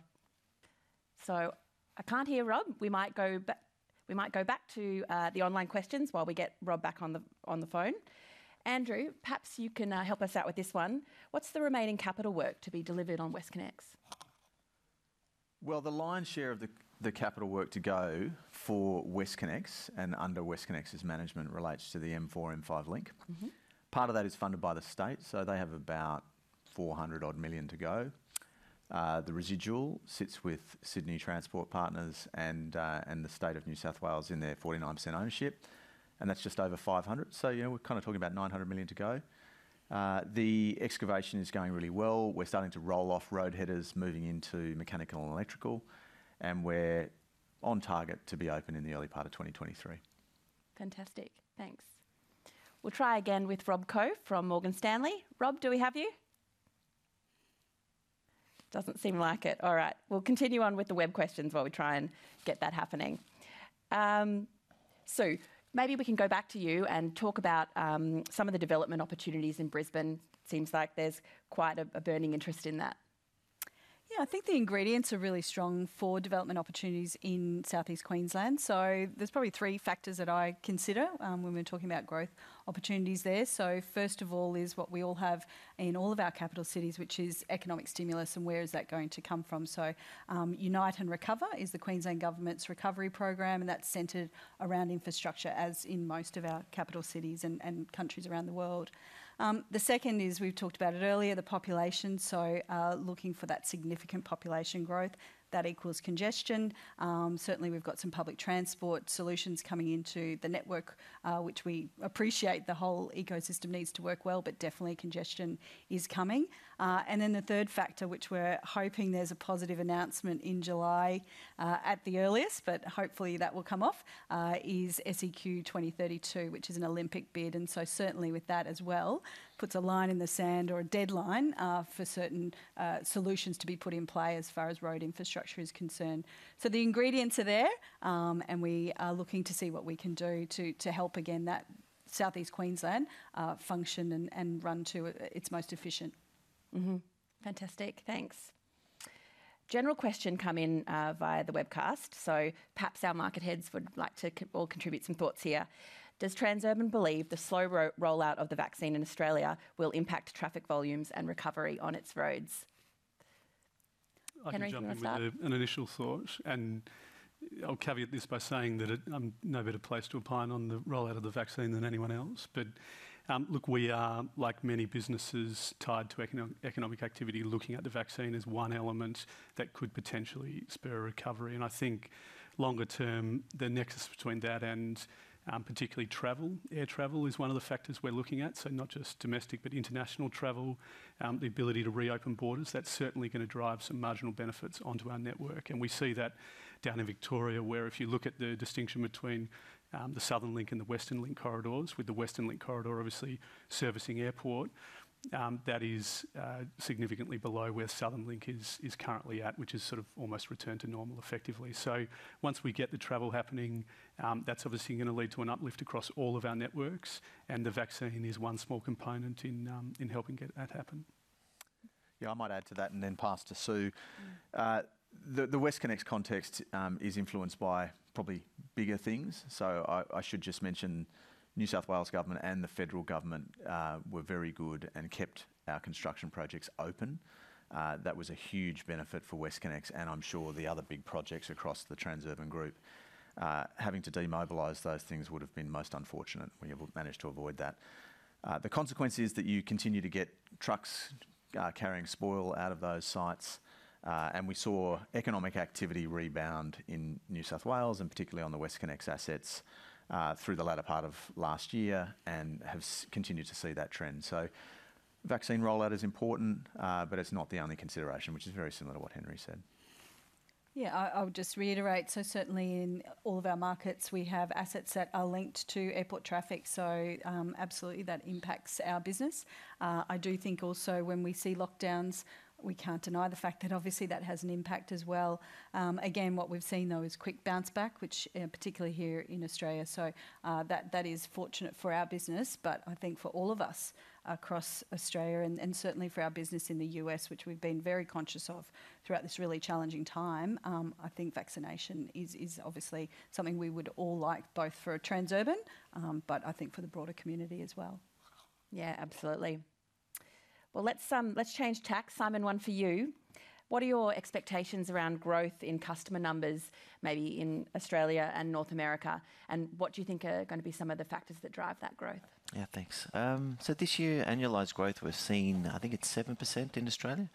I can't hear Rob. We might go back to the online questions while we get Rob back on the phone. Andrew, perhaps you can help us out with this one. What's the remaining capital work to be delivered on WestConnex? Well, the lion's share of the capital work to go for WestConnex, and under WestConnex's management relates to the M4-M5 Link. Part of that is funded by the state, so they have about 400-odd million to go. The residual sits with Sydney Transport Partners and the state of New South Wales in their 49% ownership, and that's just over 500 million. We're talking about 900 million to go. The excavation is going really well. We're starting to roll off road headers moving into mechanical and electrical, and we're on target to be open in the early part of 2023. Fantastic. Thanks. We'll try again with Rob Koh from Morgan Stanley. Rob, do we have you? Doesn't seem like it. All right. We'll continue on with the web questions while we try and get that happening. Sue, maybe we can go back to you and talk about some of the development opportunities in Brisbane. Seems like there's quite a burning interest in that. I think the ingredients are really strong for development opportunities in South East Queensland. There's probably three factors that I consider when we're talking about growth opportunities there. First of all is what we all have in all of our capital cities, which is economic stimulus and where is that going to come from. Unite and Recover is the Queensland Government's recovery program, and that's centered around infrastructure, as in most of our capital cities and countries around the world. The second is, we've talked about it earlier, the population. Looking for that significant population growth, that equals congestion. Certainly, we've got some public transport solutions coming into the network, which we appreciate the whole ecosystem needs to work well, but definitely congestion is coming. The third factor, which we're hoping there's a positive announcement in July at the earliest, but hopefully that will come off, is SEQ2032, which is an Olympic bid. Certainly with that as well, puts a line in the sand or a deadline for certain solutions to be put in play as far as road infrastructure is concerned. The ingredients are there, and we are looking to see what we can do to help again that South East Queensland function and run to its most efficient. Fantastic. Thanks. General question come in via the webcast, perhaps our market heads would like to all contribute some thoughts here. Does Transurban believe the slow rollout of the vaccine in Australia will impact traffic volumes and recovery on its roads? Henry, you want to start? I can jump in with an initial thought. I'll caveat this by saying that I'm in no better place to opine on the rollout of the vaccine than anyone else. Look, we are, like many businesses, tied to economic activity, looking at the vaccine as one element that could potentially spur a recovery. I think longer term, the nexus between that and particularly travel, air travel, is one of the factors we're looking at. Not just domestic but international travel, the ability to reopen borders. That's certainly going to drive some marginal benefits onto our network. We see that down in Victoria, where if you look at the distinction between the Southern Link and the Western Link corridors, with the Western Link corridor obviously servicing airport, that is significantly below where Southern Link is currently at, which is sort of almost returned to normal effectively. Once we get the travel happening, that's obviously going to lead to an uplift across all of our networks, and the vaccine is one small component in helping get that happen. Yeah, I might add to that and then pass to Sue. The WestConnex is influenced by bigger things I should just mention New South Wales Government and the Federal Government were very good and kept our construction projects open. That was a huge benefit for WestConnex and I'm sure the other big projects across the Transurban Group. Having to demobilize those things would have been most unfortunate. We have managed to avoid that. The consequence is that you continue to get trucks carrying spoil out of those sites, and we saw economic activity rebound in New South Wales and particularly on the WestConnex assets through the latter part of last year and have continued to see that trend. Vaccine rollout is important, but it's not the only consideration, which is very similar to what Henry said. Yeah, I would just reiterate. Certainly in all of our markets, we have assets that are linked to airport traffic, absolutely that impacts our business. I do think also when we see lockdowns, we can't deny the fact that obviously that has an impact as well. Again, what we've seen though is quick bounce back, which particularly here in Australia. That is fortunate for our business. I think for all of us across Australia and certainly for our business in the U.S., which we've been very conscious of throughout this really challenging time, I think vaccination is obviously something we would all like, both for Transurban, but I think for the broader community as well. Yeah, absolutely. Well, let's change tack. Simon, one for you. What are your expectations around growth in customer numbers, maybe in Australia and North America? What do you think are going to be some of the factors that drive that growth? Thanks. This year, annualized growth, we're seeing, I think it's 7% in Australia.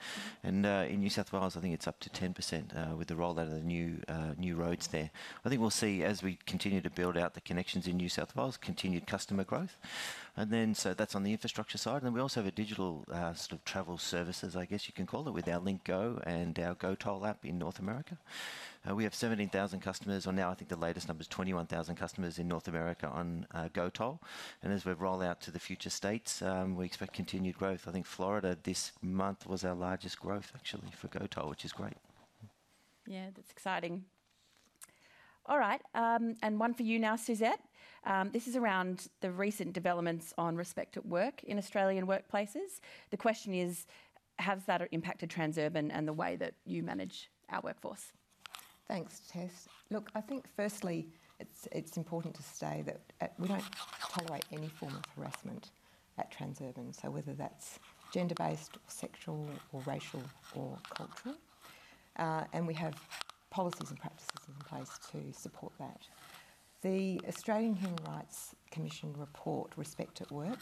In New South Wales, I think it's up to 10% with the rollout of the new roads there. I think we'll see, as we continue to build out the connections in New South Wales, continued customer growth. That's on the infrastructure side. Then we also have a digital sort of travel services, I guess you can call it, with our LinktGO and our GoToll app in North America. We have 17,000 customers on now, I think the latest number is 21,000 customers in North America on GoToll. As we roll out to the future states, we expect continued growth. I think Florida this month was our largest growth actually for GoToll, which is great. Yeah, that's exciting. All right. One for you now, Suzette. This is around the recent developments on respect at work in Australian workplaces. The question is: has that impacted Transurban and the way that you manage our workforce? Thanks, Tess. Look, I think firstly it's important to state that we don't tolerate any form of harassment at Transurban. Whether that's gender-based, sexual or racial or cultural. We have policies and practices in place to support that. The Australian Human Rights Commission report, Respect@Work,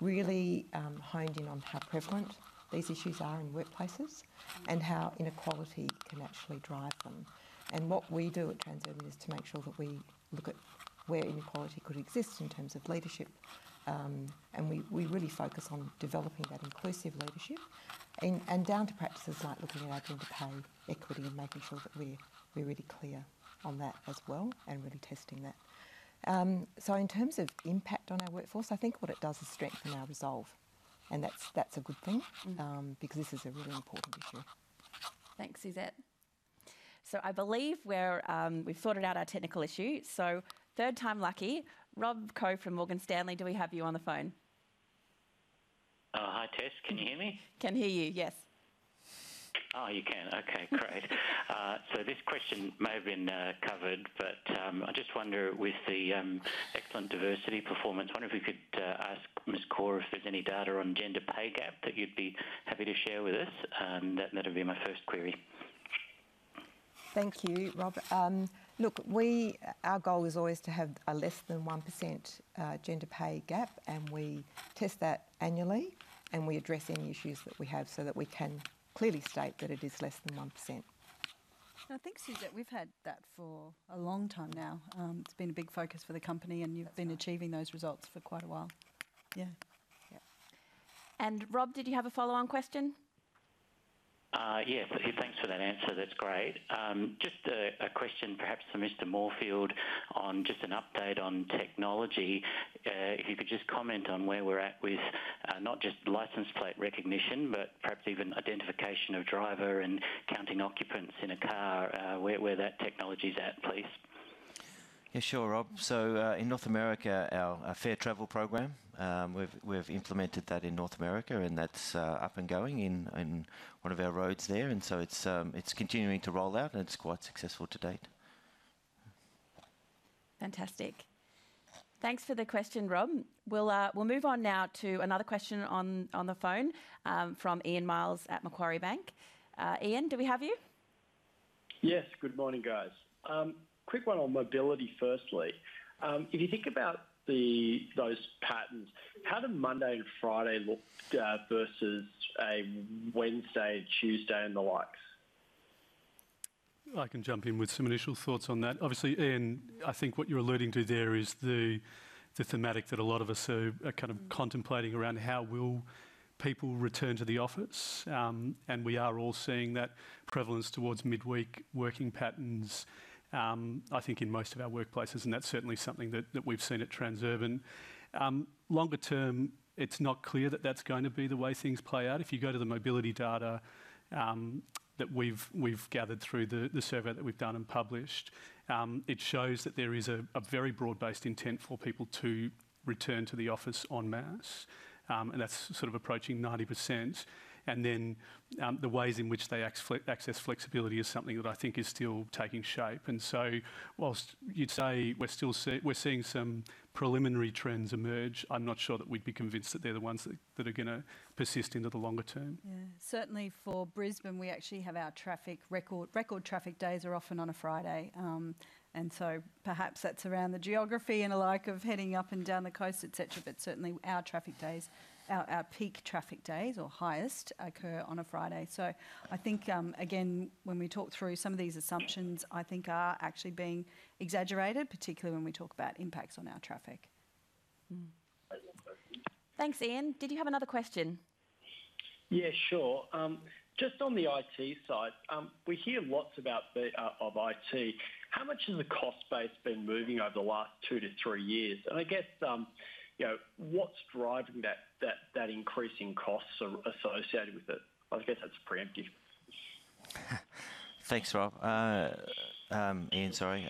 really honed in on how prevalent these issues are in workplaces and how inequality can actually drive them. What we do at Transurban is to make sure that we look at where inequality could exist in terms of leadership. We really focus on developing that inclusive leadership and down to practices like looking at our gender pay equity and making sure that we're really clear on that as well and really testing that. In terms of impact on our workforce, I think what it does is strengthen our resolve, and that's a good thing. Because this is a really important issue. Thanks, Suzette. I believe we've sorted out our technical issue. Third time lucky. Rob Koh from Morgan Stanley, do we have you on the phone? Hi, Tess. Can you hear me? Can hear you, yes. You can. Okay, great. This question may have been covered, but I just wonder with the excellent diversity performance, I wonder if you could ask Suzette Corr if there's any data on gender pay gap that you'd be happy to share with us. That'd be my first query. Thank you, Rob. Look, our goal is always to have a less than 1% gender pay gap, and we test that annually, and we address any issues that we have so that we can clearly state that it is less than 1%. No, thanks, Suzette. We've had that for a long time now. It's been a big focus for the company, and you've been achieving those results for quite a while. Yeah. Yeah. Rob, did you have a follow-on question? Yes. Thanks for that answer. That's great. Just a question perhaps for Simon Moorfield on just an update on technology. If you could just comment on where we're at with not just license plate recognition, but perhaps even identification of driver and counting occupants in a car, where that technology's at, please. Yeah, sure, Rob. In North America, our Fair Travel program, we've implemented that in North America, and that's up and going in one of our roads there. It's continuing to roll out, and it's quite successful to date. Fantastic. Thanks for the question, Rob. We'll move on now to another question on the phone from Ian Myles at Macquarie Bank. Ian, do we have you? Yes. Good morning, guys. Quick one on mobility firstly. If you think about those patterns, how do Monday and Friday look versus a Wednesday, Tuesday, and the likes? I can jump in with some initial thoughts on that. Obviously, Ian, I think what you're alluding to there is the thematic that a lot of us are kind of contemplating around how will people return to the office. We are all seeing that prevalence towards midweek working patterns, I think in most of our workplaces, and that's certainly something that we've seen at Transurban. Longer term, it's not clear that that's going to be the way things play out. If you go to the mobility data that we've gathered through the survey that we've done and published, it shows that there is a very broad-based intent for people to return to the office en masse, and that's sort of approaching 90%. The ways in which they access flexibility is something that I think is still taking shape. Whilst you'd say we're seeing some preliminary trends emerge, I'm not sure that we'd be convinced that they're the ones that are going to persist into the longer term. Yeah. Certainly for Brisbane, we actually have our traffic record. Record traffic days are often on a Friday. Perhaps that's around the geography and the like of heading up and down the coast, et cetera. Certainly our traffic days, our peak traffic days or highest occur on a Friday. I think, again, when we talk through some of these assumptions, I think are actually being exaggerated, particularly when we talk about impacts on our traffic. I guess that's it. Thanks, Ian. Did you have another question? Yeah, sure. Just on the IT side, we hear lots about IT. How much has the cost base been moving over the last two to three years? I guess, what's driving that increasing costs associated with it? I guess that's preemptive. Thanks, Rob. Ian, sorry.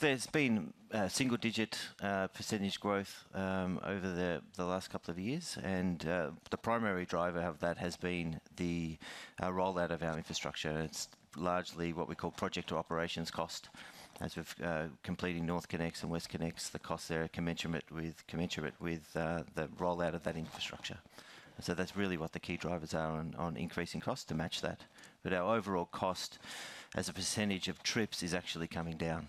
There's been single-digit percentage growth over the last couple of years, the primary driver of that has been the rollout of our infrastructure. It's largely what we call project to operations cost. As with completing NorthConnex and WestConnex, the costs there are commensurate with the rollout of that infrastructure. That's really what the key drivers are on increasing cost to match that. Our overall cost as a percentage of trips is actually coming down.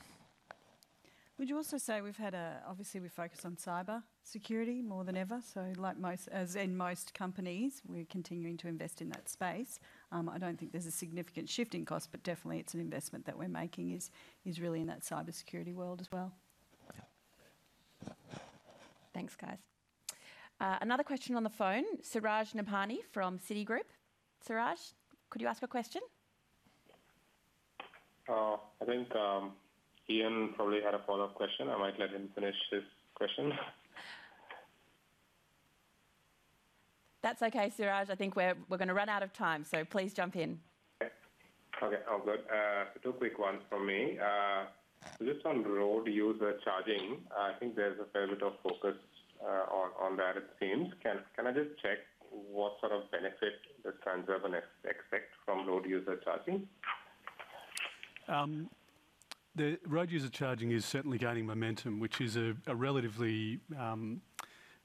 Obviously, we focus on cybersecurity more than ever. Like as in most companies, we're continuing to invest in that space. I don't think there's a significant shift in cost, but definitely it's an investment that we're making is really in that cybersecurity world as well. Yeah. Thanks, guys. Another question on the phone. Suraj Nebhani from Citigroup. Suraj, could you ask your question? I think Ian probably had a follow-up question. I might let him finish his question. That's okay, Suraj. I think we're going to run out of time, so please jump in. Okay. All good. Two quick ones from me. On road user charging, I think there's a fair bit of focus on that, it seems. Can I just check what sort of benefit does Transurban expect from road user charging? The road user charging is certainly gaining momentum, which is a relatively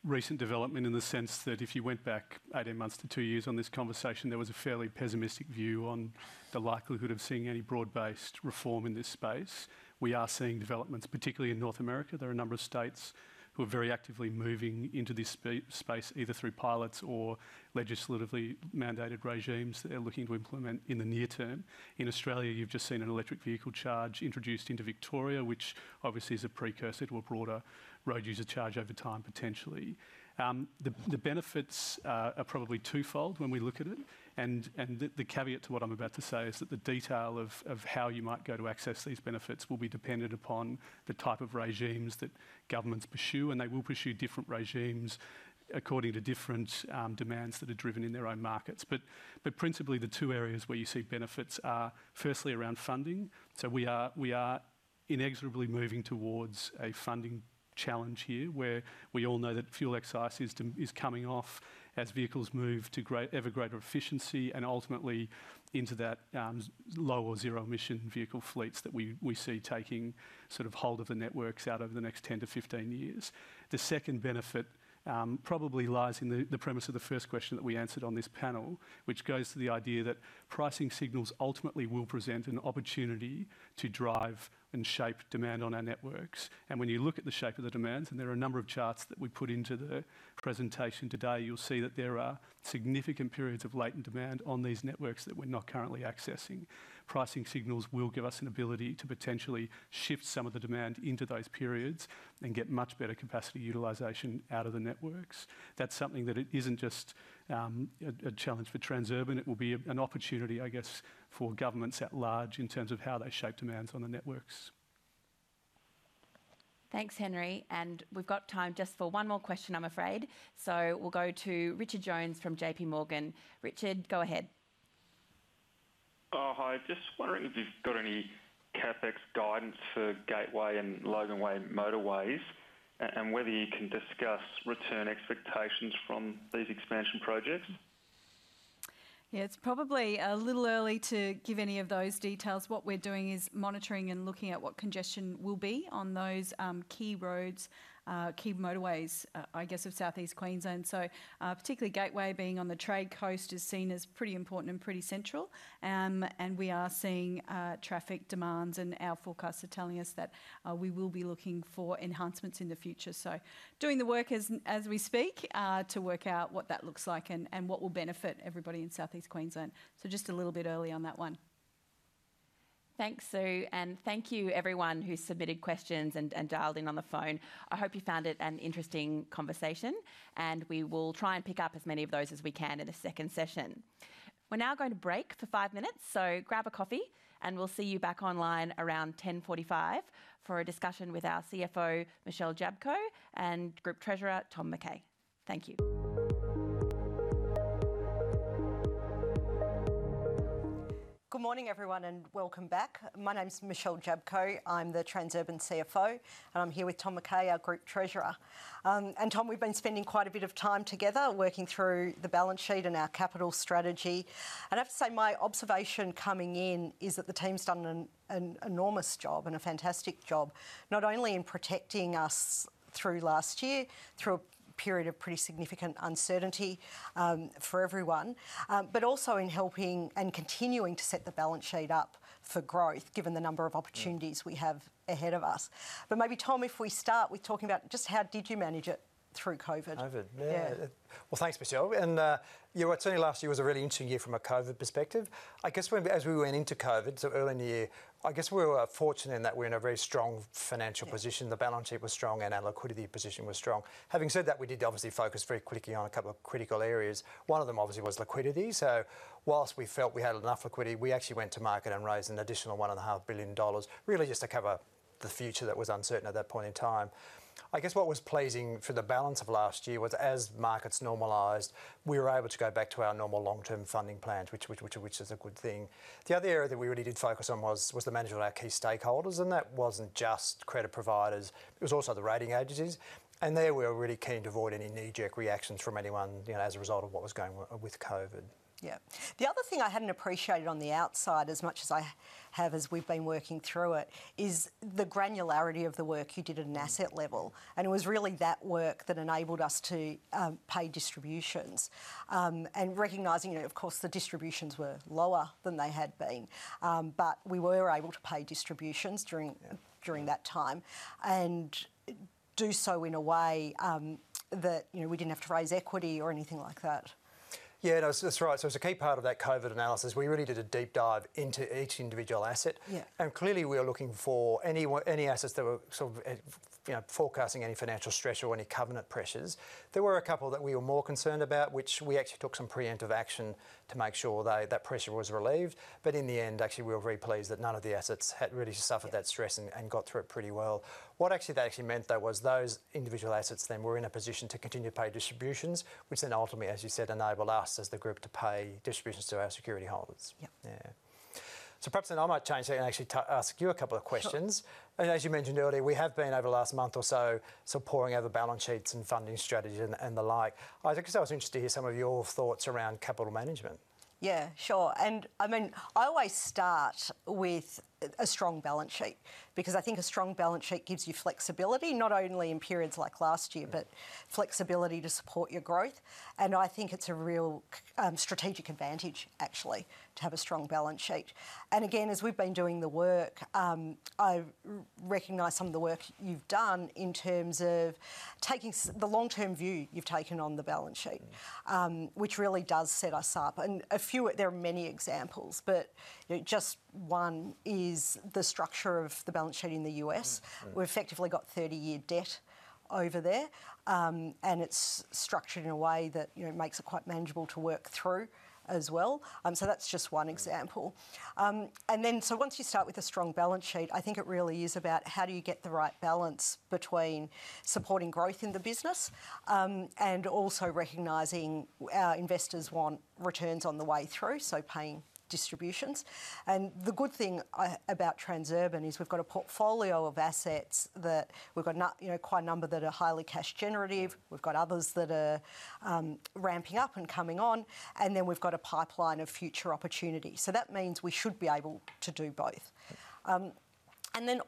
recent development in the sense that if you went back 18 months to two years on this conversation, there was a fairly pessimistic view on the likelihood of seeing any broad-based reform in this space. We are seeing developments, particularly in North America. There are a number of states who are very actively moving into this space, either through pilots or legislatively mandated regimes that they're looking to implement in the near term. In Australia, you've just seen an electric vehicle charge introduced into Victoria. Obviously, it's a precursor to a broader road user charge over time, potentially. The benefits are probably twofold when we look at it. The caveat to what I'm about to say is that the detail of how you might go to access these benefits will be dependent upon the type of regimes that governments pursue, and they will pursue different regimes according to different demands that are driven in their own markets. Principally, the two areas where you see benefits are firstly around funding. We are inexorably moving towards a funding challenge here, where we all know that fuel excise system is coming off as vehicles move to ever greater efficiency and ultimately into that lower zero-emission vehicle fleets that we see taking hold of the networks out over the next 10 to 15 years. The second benefit probably lies in the premise of the first question that we answered on this panel, which goes to the idea that pricing signals ultimately will present an opportunity to drive and shape demand on our networks. When you look at the shape of the demands, and there are a number of charts that we put into the presentation today, you'll see that there are significant periods of latent demand on these networks that we're not currently accessing. Pricing signals will give us an ability to potentially shift some of the demand into those periods and get much better capacity utilization out of the networks. That's something that it isn't just a challenge for Transurban. It will be an opportunity, I guess, for governments at large in terms of how they shape demands on the networks. Thanks, Henry, we've got time just for one more question, I'm afraid. We'll go to Richard Jones from JPMorgan. Richard, go ahead. Hi. Just wondering if you've got any CapEx guidance for Gateway and Logan Motorways, and whether you can discuss return expectations from these expansion projects. Yeah. It's probably a little early to give any of those details. What we're doing is monitoring and looking at what congestion will be on those key roads, key motorways, I guess, of Southeast Queensland. Particularly Gateway being on the Trade Coast is seen as pretty important and pretty central. We are seeing traffic demands, and our forecasts are telling us that we will be looking for enhancements in the future. Doing the work as we speak to work out what that looks like and what will benefit everybody in Southeast Queensland. Just a little bit early on that one. Thanks, Sue, and thank you everyone who submitted questions and dialed in on the phone. I hope you found it an interesting conversation. We will try and pick up as many of those as we can in the second session. We're now going to break for five minutes. Grab a coffee. We'll see you back online around 10:45 A.M. for a discussion with our CFO, Michelle Jablko, and Group Treasurer, Tom McKay. Thank you. Good morning, everyone, and welcome back. My name's Michelle Jablko. I'm the Transurban CFO, and I'm here with Tom McKay, our Group Treasurer. Tom, we've been spending quite a bit of time together working through the balance sheet and our capital strategy. I have to say, my observation coming in is that the team's done an enormous job and a fantastic job, not only in protecting us through last year, through a period of pretty significant uncertainty for everyone, but also in helping and continuing to set the balance sheet up for growth, given the number of opportunities we have ahead of us. Maybe Tom, if we start with talking about just how did you manage it through COVID? COVID. Yeah. Yeah. Well, thanks, Michelle. You're right, certainly last year was a really interesting year from a COVID perspective. I guess as we went into COVID, so early in the year, I guess we were fortunate in that we were in a very strong financial position. Yeah. The balance sheet was strong and our liquidity position was strong. Having said that, we did obviously focus very quickly on a couple of critical areas. One of them, obviously, was liquidity. Whilst we felt we had enough liquidity, we actually went to market and raised an additional 1.5 billion dollars, really just to cover the future that was uncertain at that point in time. I guess what was pleasing for the balance of last year was as markets normalized, we were able to go back to our normal long-term funding plans, which is a good thing. The other area that we really did focus on was the management of our key stakeholders, and that wasn't just credit providers, it was also the rating agencies. There we were really keen to avoid any knee-jerk reactions from anyone as a result of what was going on with COVID. The other thing I hadn't appreciated on the outside as much as I have as we've been working through it is the granularity of the work you did at an asset level. It was really that work that enabled us to pay distributions. Recognizing that, of course, the distributions were lower than they had been. We were able to pay distributions during. Yeah During that time, do so in a way that we didn't have to raise equity or anything like that. Yeah. No, that's right. It's a key part of that COVID analysis. We really did a deep dive into each individual asset. Yeah. Clearly we were looking for any assets that were sort of forecasting any financial stress or any covenant pressures. There were a couple that we were more concerned about, which we actually took some preemptive action to make sure that pressure was relieved. In the end, actually, we were very pleased that none of the assets had really suffered that stress. Yeah Got through it pretty well. What that actually meant, though, was those individual assets then were in a position to continue to pay distributions, which then ultimately, as you said, enabled us as the group to pay distributions to our security holders. Yep. Yeah. Perhaps I might change that and actually ask you a couple of questions. Sure. As you mentioned earlier, we have been over the last month or so, sort of poring over balance sheets and funding strategies and the like. I guess I was interested to hear some of your thoughts around capital management. Yeah. Sure. I always start with a strong balance sheet because I think a strong balance sheet gives you flexibility, not only in periods like last year. Yeah Flexibility to support your growth. I think it's a real strategic advantage, actually, to have a strong balance sheet. Again, as we've been doing the work, I recognize some of the work you've done in terms of taking the long-term view you've taken on the balance sheet which really does set us up. Just one is the structure of the balance sheet in the U.S. Great. We've effectively got 30-year debt over there, and it's structured in a way that makes it quite manageable to work through as well. That's just one example. Once you start with a strong balance sheet, I think it really is about how do you get the right balance between supporting growth in the business, and also recognizing our investors want returns on the way through, so paying distributions. The good thing about Transurban is we've got a portfolio of assets that we've got quite a number that are highly cash generative. We've got others that are ramping up and coming on, and then we've got a pipeline of future opportunities. That means we should be able to do both.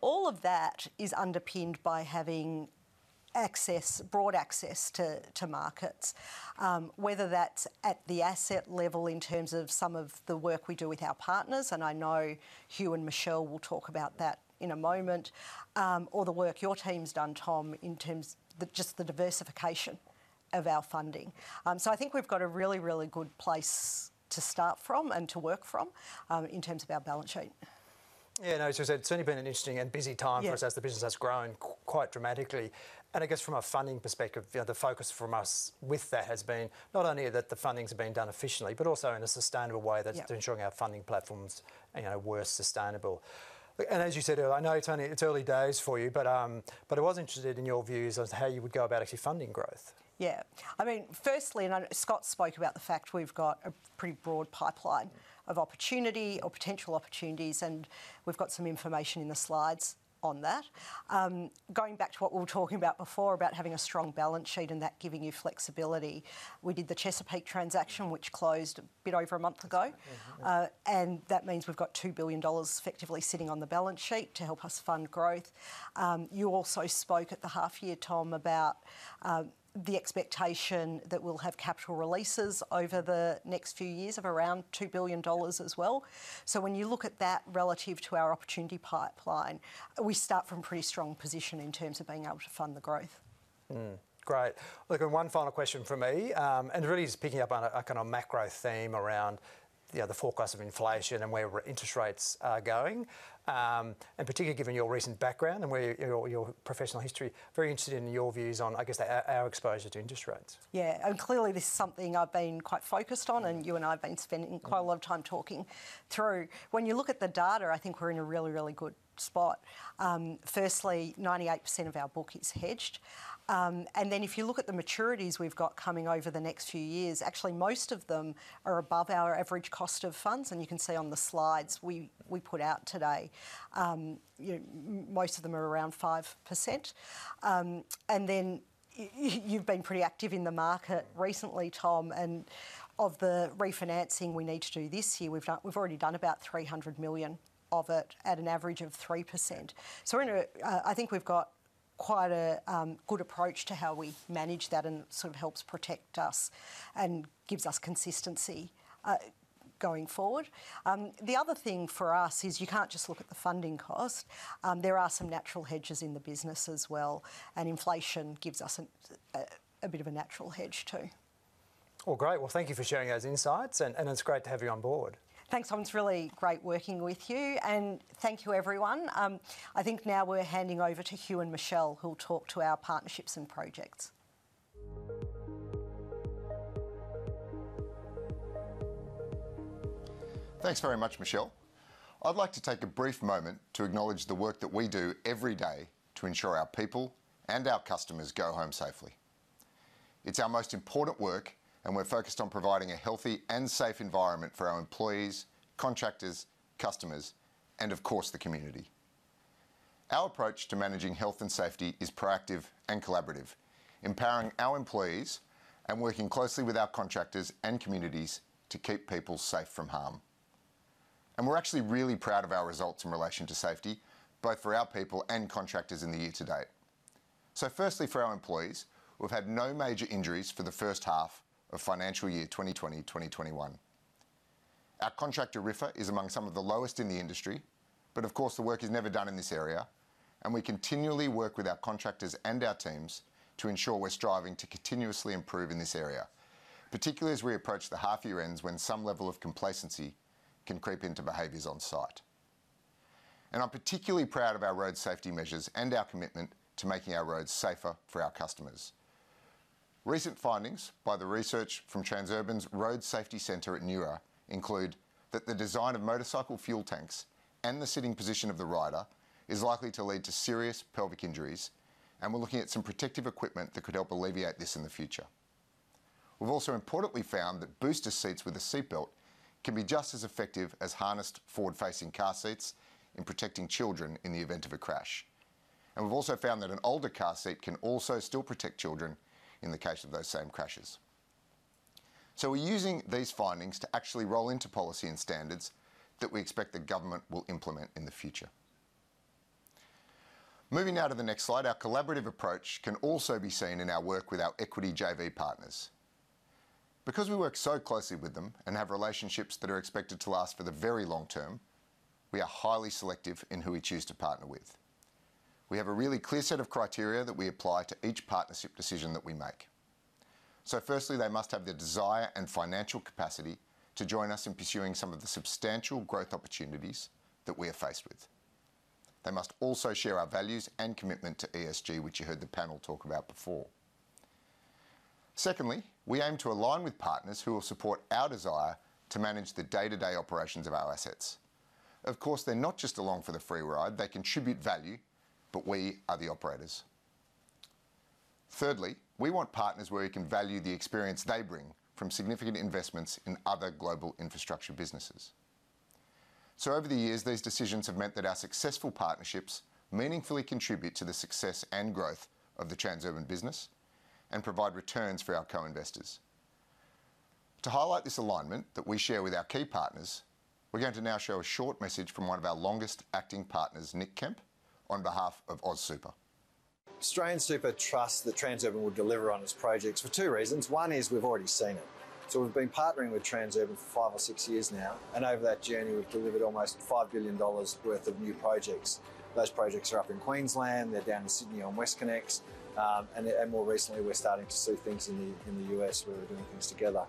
All of that is underpinned by having broad access to markets, whether that's at the asset level in terms of some of the work we do with our partners, and I know Hugh and Michelle will talk about that in a moment. The work your team's done, Tom, in terms just the diversification of our funding. I think we've got a really, really good place to start from and to work from in terms of our balance sheet. Yeah, no, as you said, it's only been an interesting and busy time. Yeah for us as the business has grown quite dramatically. I guess from a funding perspective, the focus from us with that has been not only that the funding's been done efficiently, but also in a sustainable way. Yeah As you said, I know it's early days for you, but I was interested in your views as to how you would go about actually funding growth. Yeah. Firstly, Scott spoke about the fact we've got a pretty broad pipeline of opportunity or potential opportunities, and we've got some information in the slides on that. Going back to what we were talking about before, about having a strong balance sheet and that giving you flexibility, we did the Chesapeake transaction, which closed a bit over a month ago. That means we've got 2 billion dollars effectively sitting on the balance sheet to help us fund growth. You also spoke at the half year, Tom, about the expectation that we'll have capital releases over the next few years of around 2 billion dollars as well. When you look at that relative to our opportunity pipeline, we start from pretty strong position in terms of being able to fund the growth. Great. Look, one final question from me, and really just picking up on a kind of macro theme around the forecast of inflation and where interest rates are going. Particularly given your recent background and your professional history, very interested in your views on, I guess, our exposure to interest rates. Yeah. Clearly this is something I've been quite focused on, and you and I have been spending quite a lot of time talking through. When you look at the data, I think we're in a really, really good spot. Firstly, 98% of our book is hedged. Then if you look at the maturities we've got coming over the next few years, actually most of them are above our average cost of funds, and you can see on the slides we put out today. Most of them are around 5%. Then you've been pretty active in the market recently, Tom, and of the refinancing we need to do this year, we've already done about 300 million of it at an average of 3%. I think we've got quite a good approach to how we manage that, and it sort of helps protect us and gives us consistency going forward. The other thing for us is you can't just look at the funding cost. There are some natural hedges in the business as well, and inflation gives us a bit of a natural hedge, too. Great. Thank you for sharing those insights, and it's great to have you on board. Thanks, Tom. It's really great working with you. Thank you, everyone. I think now we're handing over to Hugh and Michelle, who'll talk to our partnerships and projects. Thanks very much, Michelle. I'd like to take a brief moment to acknowledge the work that we do every day to ensure our people and our customers go home safely. It's our most important work, and we're focused on providing a healthy and safe environment for our employees, contractors, customers, and of course, the community. Our approach to managing health and safety is proactive and collaborative, empowering our employees and working closely with our contractors and communities to keep people safe from harm. We're actually really proud of our results in relation to safety, both for our people and contractors in the year to date. Firstly, for our employees, we've had no major injuries for the first half of financial year 2020/2021. Our contractor RIFR is among some of the lowest in the industry. Of course, the work is never done in this area. We continually work with our contractors and our teams to ensure we're striving to continuously improve in this area, particularly as we approach the half-year ends when some level of complacency can creep into behaviors on site. I'm particularly proud of our road safety measures and our commitment to making our roads safer for our customers. Recent findings by the research from Transurban's Road Safety Center at NeuRA include that the design of motorcycle fuel tanks and the sitting position of the rider is likely to lead to serious pelvic injuries. We're looking at some protective equipment that could help alleviate this in the future. We've also importantly found that booster seats with a seatbelt can be just as effective as harnessed forward-facing car seats in protecting children in the event of a crash. We've also found that an older car seat can also still protect children in the case of those same crashes. We're using these findings to actually roll into policy and standards that we expect the government will implement in the future. Moving now to the next slide, our collaborative approach can also be seen in our work with our equity JV partners. Because we work so closely with them and have relationships that are expected to last for the very long term, we are highly selective in who we choose to partner with. We have a really clear set of criteria that we apply to each partnership decision that we make. Firstly, they must have the desire and financial capacity to join us in pursuing some of the substantial growth opportunities that we are faced with. They must also share our values and commitment to ESG, which you heard the panel talk about before. Secondly, we aim to align with partners who will support our desire to manage the day-to-day operations of our assets. Of course, they're not just along for the free ride. They contribute value, but we are the operators. Thirdly, we want partners where we can value the experience they bring from significant investments in other global infrastructure businesses. Over the years, these decisions have meant that our successful partnerships meaningfully contribute to the success and growth of the Transurban business and provide returns for our co-investors. To highlight this alignment that we share with our key partners, we're going to now show a short message from one of our longest acting partners, Nik Kemp, on behalf of AusSuper. AustralianSuper trusts that Transurban will deliver on its projects for two reasons. One is we've already seen it. We've been partnering with Transurban for five or six years now, and over that journey, we've delivered almost 5 billion dollars worth of new projects. Those projects are up in Queensland, they're down in Sydney on WestConnex, and more recently we're starting to see things in the U.S. where we're doing things together.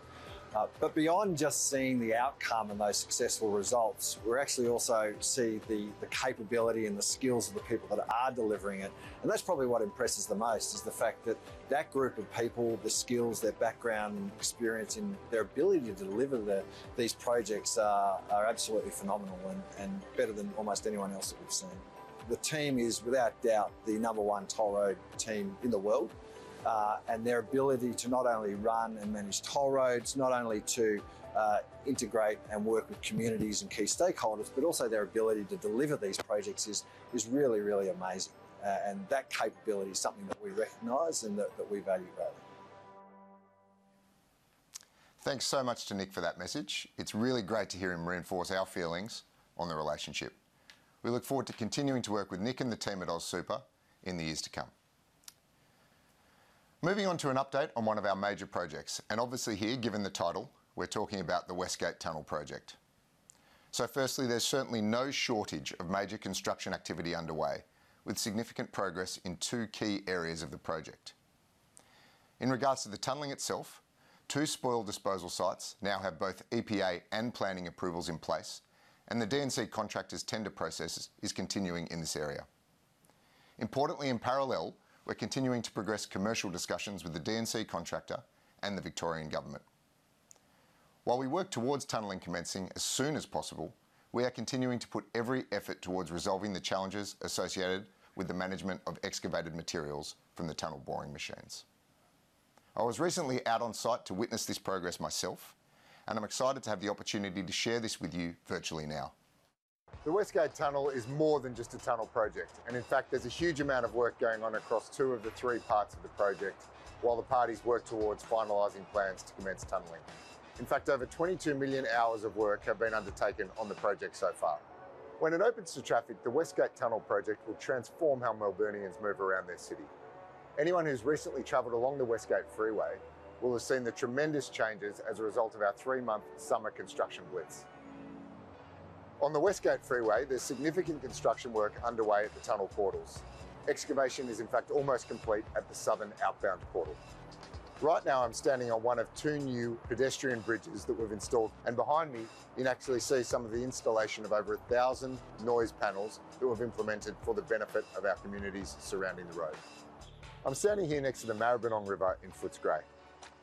Beyond just seeing the outcome and those successful results, we're actually also see the capability and the skills of the people that are delivering it, and that's probably what impresses the most is the fact that that group of people, the skills, their background, experience, and their ability to deliver these projects are absolutely phenomenal and better than almost anyone else that we've seen. The team is without doubt the number one toll road team in the world, and their ability to not only run and manage toll roads, not only to integrate and work with communities and key stakeholders, but also their ability to deliver these projects is really, really amazing. That capability is something that we recognize and that we value greatly. Thanks so much to Nik for that message. It's really great to hear him reinforce our feelings on the relationship. We look forward to continuing to work with Nik and the team at AusSuper in the years to come. Moving on to an update on one of our major projects, obviously here, given the title, we're talking about the West Gate Tunnel project. Firstly, there's certainly no shortage of major construction activity underway, with significant progress in two key areas of the project. In regards to the tunneling itself, two spoil disposal sites now have both EPA and planning approvals in place, the D&C contractor's tender process is continuing in this area. Importantly, in parallel, we're continuing to progress commercial discussions with the D&C contractor and the Victorian Government. While we work towards tunneling commencing as soon as possible, we are continuing to put every effort towards resolving the challenges associated with the management of excavated materials from the tunnel boring machines. I was recently out on site to witness this progress myself, and I'm excited to have the opportunity to share this with you virtually now. The West Gate Tunnel is more than just a tunnel project, in fact, there's a huge amount of work going on across two of the three parts of the project while the parties work towards finalizing plans to commence tunneling. In fact, over 22 million hours of work have been undertaken on the project so far. When it opens to traffic, the West Gate Tunnel project will transform how Melburnians move around their city. Anyone who's recently traveled along the West Gate Freeway will have seen the tremendous changes as a result of our three-month summer construction blitz. On the West Gate Freeway, there's significant construction work underway at the tunnel portals. Excavation is in fact almost complete at the southern outbound portal. Right now I'm standing on one of two new pedestrian bridges that we've installed, and behind me you can actually see some of the installation of over 1,000 noise panels that we've implemented for the benefit of our communities surrounding the road. I'm standing here next to the Maribyrnong River in Footscray.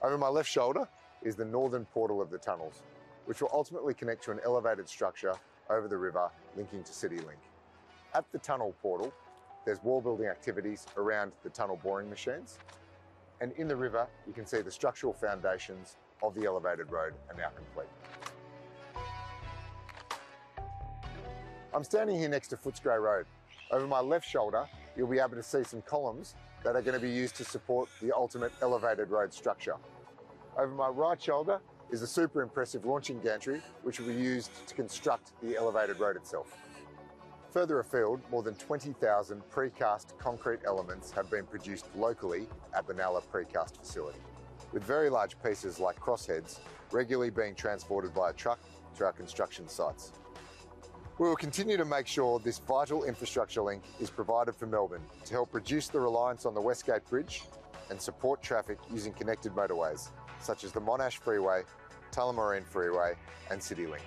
Over my left shoulder is the northern portal of the tunnels, which will ultimately connect to an elevated structure over the river linking to CityLink. At the tunnel portal, there's wall building activities around the tunnel boring machines, and in the river you can see the structural foundations of the elevated road are now complete. I'm standing here next to Footscray Road. Over my left shoulder, you'll be able to see some columns that are going to be used to support the ultimate elevated road structure. Over my right shoulder is a super impressive launching gantry, which will be used to construct the elevated road itself. Further afield, more than 20,000 precast concrete elements have been produced locally at Benalla Precast facility, with very large pieces like crossheads regularly being transported via truck to our construction sites. We will continue to make sure this vital infrastructure link is provided for Melbourne to help reduce the reliance on the West Gate Bridge and support traffic using connected motorways such as the Monash Freeway, Tullamarine Freeway, and CityLink.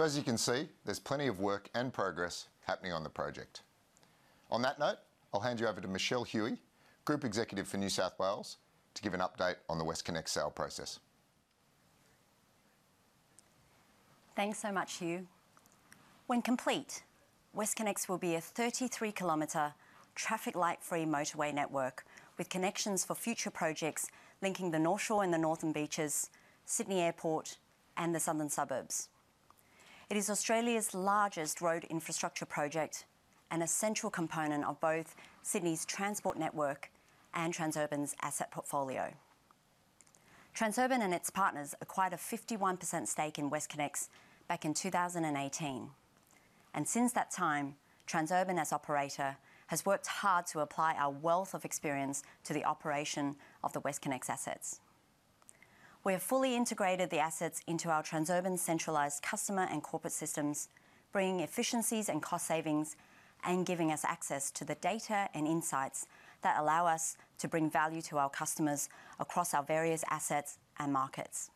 As you can see, there's plenty of work and progress happening on the project. On that note, I'll hand you over to Michele Huey, Group Executive, New South Wales, to give an update on the WestConnex sale process. Thanks so much, Hugh. When complete, WestConnex will be a 33-km traffic light free motorway network with connections for future projects linking the North Shore and the Northern Beaches, Sydney Airport, and the southern suburbs. It is Australia's largest road infrastructure project and a central component of both Sydney's transport network and Transurban's asset portfolio. Transurban and its partners acquired a 51% stake in WestConnex back in 2018, and since that time, Transurban as operator has worked hard to apply our wealth of experience to the operation of the WestConnex assets. We have fully integrated the assets into our Transurban centralized customer and corporate systems, bringing efficiencies and cost savings and giving us access to the data and insights that allow us to bring value to our customers across our various assets and markets.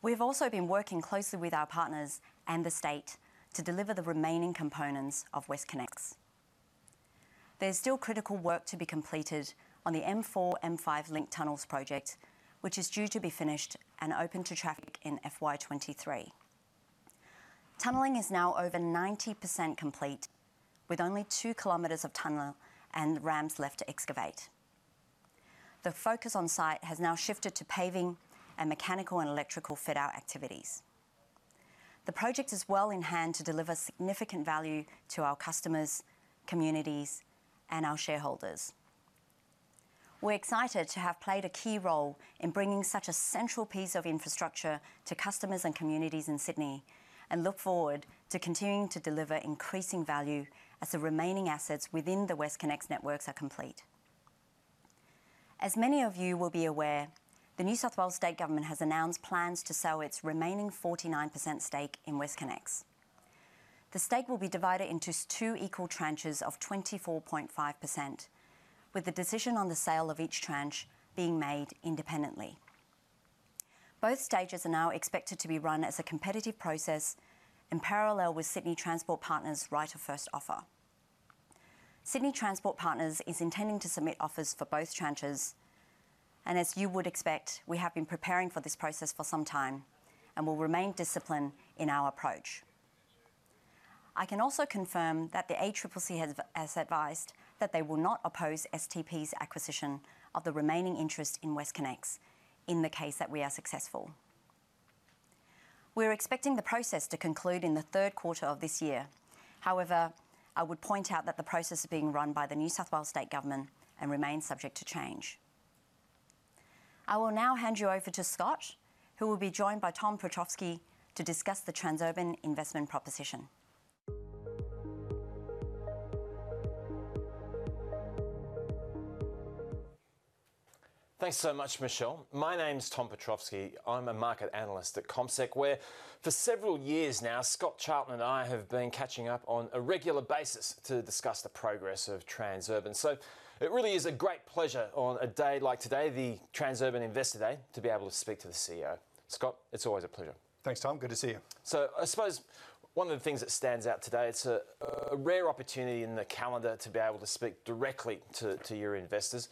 We've also been working closely with our partners and the state to deliver the remaining components of WestConnex. There is still critical work to be completed on the M4-M5 Link Tunnels project, which is due to be finished and open to traffic in FY 2023. Tunneling is now over 90% complete, with only two kilometers of tunnel and ramps left to excavate. The focus on site has now shifted to paving and mechanical and electrical fit-out activities. The project is well in hand to deliver significant value to our customers, communities, and our shareholders. We are excited to have played a key role in bringing such a central piece of infrastructure to customers and communities in Sydney and look forward to continuing to deliver increasing value as the remaining assets within the WestConnex networks are complete. As many of you will be aware, the Government of New South Wales has announced plans to sell its remaining 49% stake in WestConnex. The stake will be divided into two equal tranches of 24.5%, with the decision on the sale of each tranche being made independently. Both stages are now expected to be run as a competitive process in parallel with Sydney Transport Partners' right of first offer. Sydney Transport Partners is intending to submit offers for both tranches, and as you would expect, we have been preparing for this process for some time and will remain disciplined in our approach. I can also confirm that the ACCC has advised that they will not oppose STP's acquisition of the remaining interest in WestConnex in the case that we are successful. We're expecting the process to conclude in the third quarter of this year. I would point out that the process is being run by the New South Wales State Government and remains subject to change. I will now hand you over to Scott, who will be joined by Tom Piotrowski to discuss the Transurban investment proposition. Thanks so much, Michele. My name's Tom Piotrowski. I'm a market analyst at CommSec, where for several years now, Scott Charlton and I have been catching up on a regular basis to discuss the progress of Transurban. It really is a great pleasure on a day like today, the Transurban investor day, to be able to speak to the CEO. Scott, it's always a pleasure. Thanks, Tom. Good to see you. I suppose one of the things that stands out today, it's a rare opportunity in the calendar to be able to speak directly to your investors.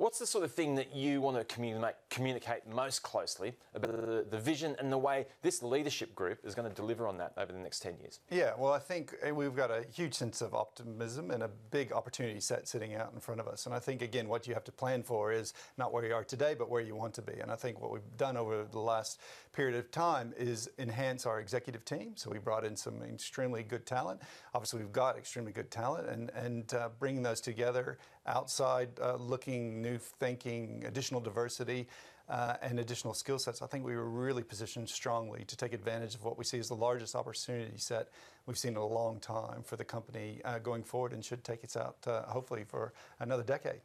What's the sort of thing that you want to communicate most closely about the vision and the way this leadership group is going to deliver on that over the next 10 years? Well, I think we've got a huge sense of optimism and a big opportunity set sitting out in front of us. I think, again, what you have to plan for is not where you are today, but where you want to be. I think what we've done over the last period of time is enhance our executive team. We brought in some extremely good talent. Obviously, we've got extremely good talent, and bringing those together outside-looking, new thinking, additional diversity, and additional skill sets, I think we're really positioned strongly to take advantage of what we see as the largest opportunity set we've seen in a long time for the company, going forward, and should take us out, hopefully, for another decade.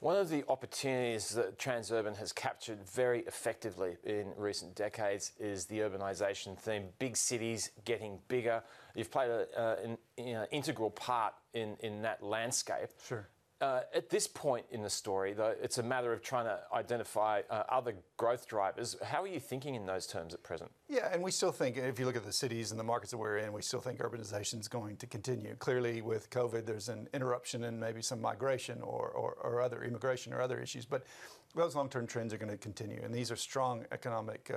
One of the opportunities that Transurban has captured very effectively in recent decades is the urbanization theme. Big cities getting bigger. You have played an integral part in that landscape. Sure. At this point in the story, though, it's a matter of trying to identify other growth drivers. How are you thinking in those terms at present? Yeah, we still think if you look at the cities and the markets that we're in, we still think urbanization's going to continue. Clearly with COVID, there's an interruption in maybe some migration or other immigration or other issues. Those long-term trends are going to continue, and these are strong economic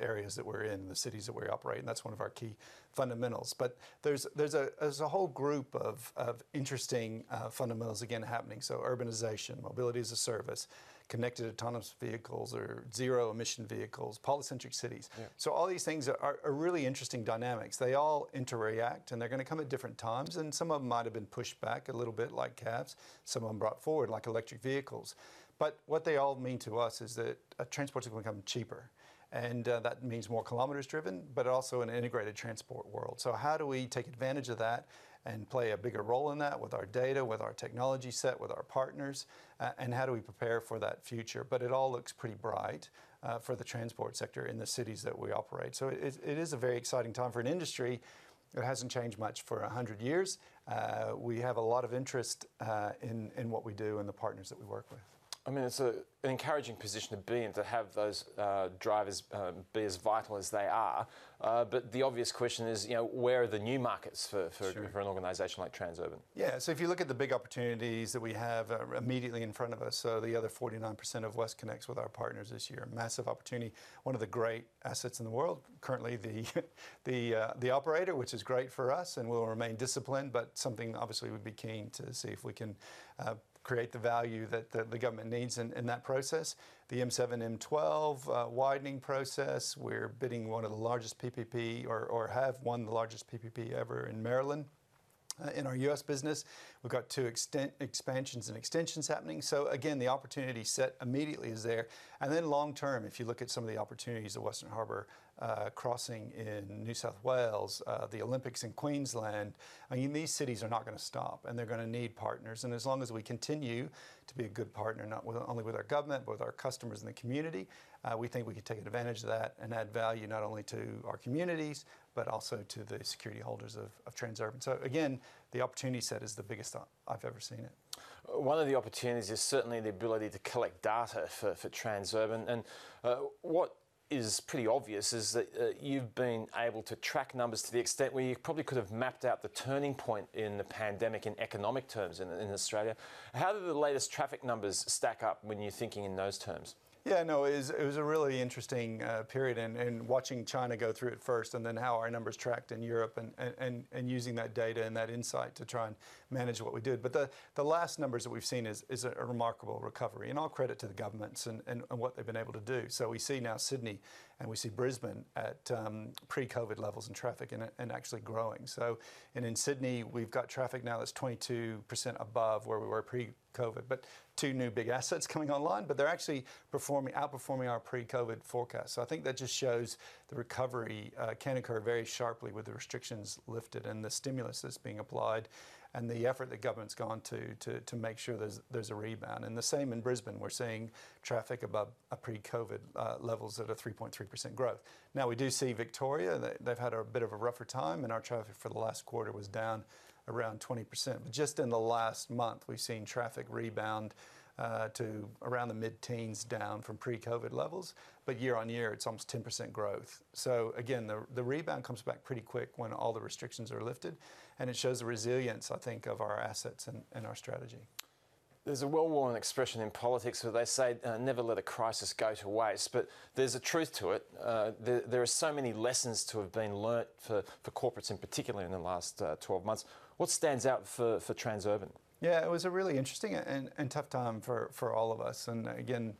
areas that we're in, the cities that we operate in. That's one of our key fundamentals. There's a whole group of interesting fundamentals again happening. Urbanization, Mobility as a Service, Connected Autonomous Vehicles or Zero-Emission Vehicles, polycentric cities. Yeah. All these things are really interesting dynamics. They all interreact, and they're going to come at different times, and some of them might have been pushed back a little bit, like CAVs. Some of them brought forward, like electric vehicles. What they all mean to us is that transport is going to become cheaper, and that means more kilometers driven, but also an integrated transport world. How do we take advantage of that and play a bigger role in that with our data, with our technology set, with our partners, and how do we prepare for that future? It all looks pretty bright for the transport sector in the cities that we operate. It is a very exciting time for an industry that hasn't changed much for 100 years. We have a lot of interest in what we do and the partners that we work with. It's an encouraging position to be in to have those drivers be as vital as they are. The obvious question is where are the new markets. An organization like Transurban? If you look at the big opportunities that we have immediately in front of us, so the other 49% of WestConnex with our partners this year. Massive opportunity. One of the great assets in the world. Currently the operator, which is great for us and we'll remain disciplined, but something obviously we'd be keen to see if we can create the value that the government needs in that process. The M7-M12 widening process. We're bidding one of the largest PPP or have won the largest PPP ever in Maryland. In our U.S. business, we've got two expansions and extensions happening. Again, the opportunity set immediately is there. Long term, if you look at some of the opportunities at Western Harbour Crossing in New South Wales, the Olympics in Queensland, these cities are not going to stop, and they're going to need partners. As long as we continue to be a good partner, not only with our government, but with our customers and the community, we think we can take advantage of that and add value not only to our communities, but also to the security holders of Transurban. Again, the opportunity set is the biggest I've ever seen it. One of the opportunities is certainly the ability to collect data for Transurban. What is pretty obvious is that you've been able to track numbers to the extent where you probably could have mapped out the turning point in the pandemic in economic terms in Australia. How do the latest traffic numbers stack up when you're thinking in those terms? Yeah, no, it was a really interesting period in watching China go through it first and then how our numbers tracked in Europe and using that data and that insight to try and manage what we did. The last numbers that we've seen is a remarkable recovery, and all credit to the governments and what they've been able to do. We see now Sydney and we see Brisbane at pre-COVID levels in traffic and actually growing. In Sydney, we've got traffic now that's 22% above where we were pre-COVID. Two new big assets coming online, but they're actually outperforming our pre-COVID forecast. I think that just shows the recovery can occur very sharply with the restrictions lifted and the stimulus that's being applied and the effort that government's gone to make sure there's a rebound. The same in Brisbane, we're seeing traffic above pre-COVID levels at a 3.3% growth. We do see Victoria, they've had a bit of a rougher time, and our traffic for the last quarter was down around 20%. Just in the last month, we've seen traffic rebound to around the mid-teens down from pre-COVID levels. Year-on-year, it's almost 10% growth. Again, the rebound comes back pretty quick when all the restrictions are lifted, and it shows the resilience, I think, of our assets and our strategy. There's a well-worn expression in politics where they say, "Never let a crisis go to waste," but there's a truth to it. There are so many lessons to have been learned for corporates in particular in the last 12 months. What stands out for Transurban? It was a really interesting and tough time for all of us. Again,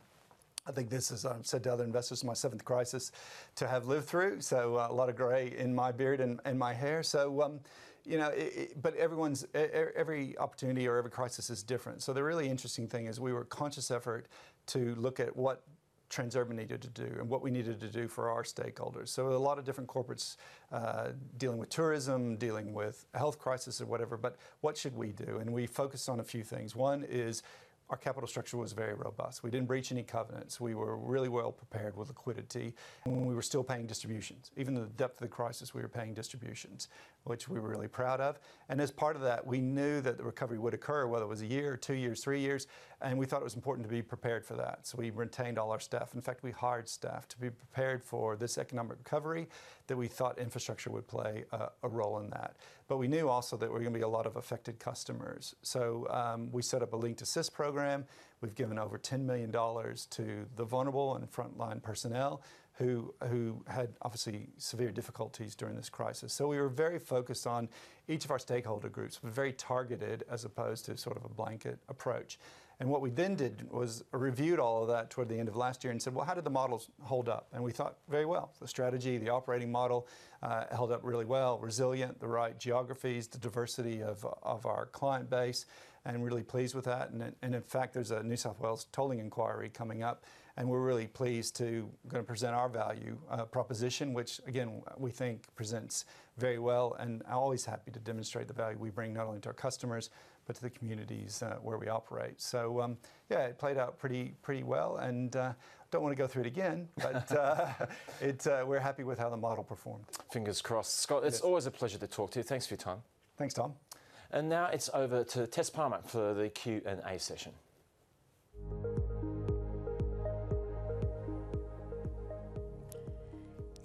I think this is, I've said to other investors, my seventh crisis to have lived through, so a lot of gray in my beard and my hair. Every opportunity or every crisis is different. The really interesting thing is we were conscious effort to look at what Transurban needed to do and what we needed to do for our stakeholders. A lot of different corporates dealing with tourism, dealing with health crisis or whatever, but what should we do? We focused on a few things. One is our capital structure was very robust. We didn't breach any covenants. We were really well prepared with liquidity, and we were still paying distributions. Even at the depth of the crisis, we were paying distributions, which we were really proud of. As part of that, we knew that the recovery would occur, whether it was a year or two years, three years, and we thought it was important to be prepared for that. We retained all our staff. In fact, we hired staff to be prepared for this economic recovery that we thought infrastructure would play a role in that. We knew also there were going to be a lot of affected customers. We set up a Linkt Assist program. We've given over 10 million dollars to the vulnerable and frontline personnel who had obviously severe difficulties during this crisis. We were very focused on each of our stakeholder groups. We were very targeted as opposed to sort of a blanket approach. What we then did was reviewed all of that toward the end of last year and said, "Well, how did the models hold up?" We thought very well. The strategy, the operating model, held up really well, resilient, the right geographies, the diversity of our client base, and really pleased with that. In fact, there's a New South Wales tolling inquiry coming up, and we're really pleased to going to present our value proposition, which again, we think presents very well, and always happy to demonstrate the value we bring not only to our customers, but to the communities where we operate. Yeah, it played out pretty well and don't want to go through it again. We're happy with how the model performed. Fingers crossed. Yes. Scott, it's always a pleasure to talk to you. Thanks for your time. Thanks, Tom. Now it's over to Tess Palmer for the Q&A session.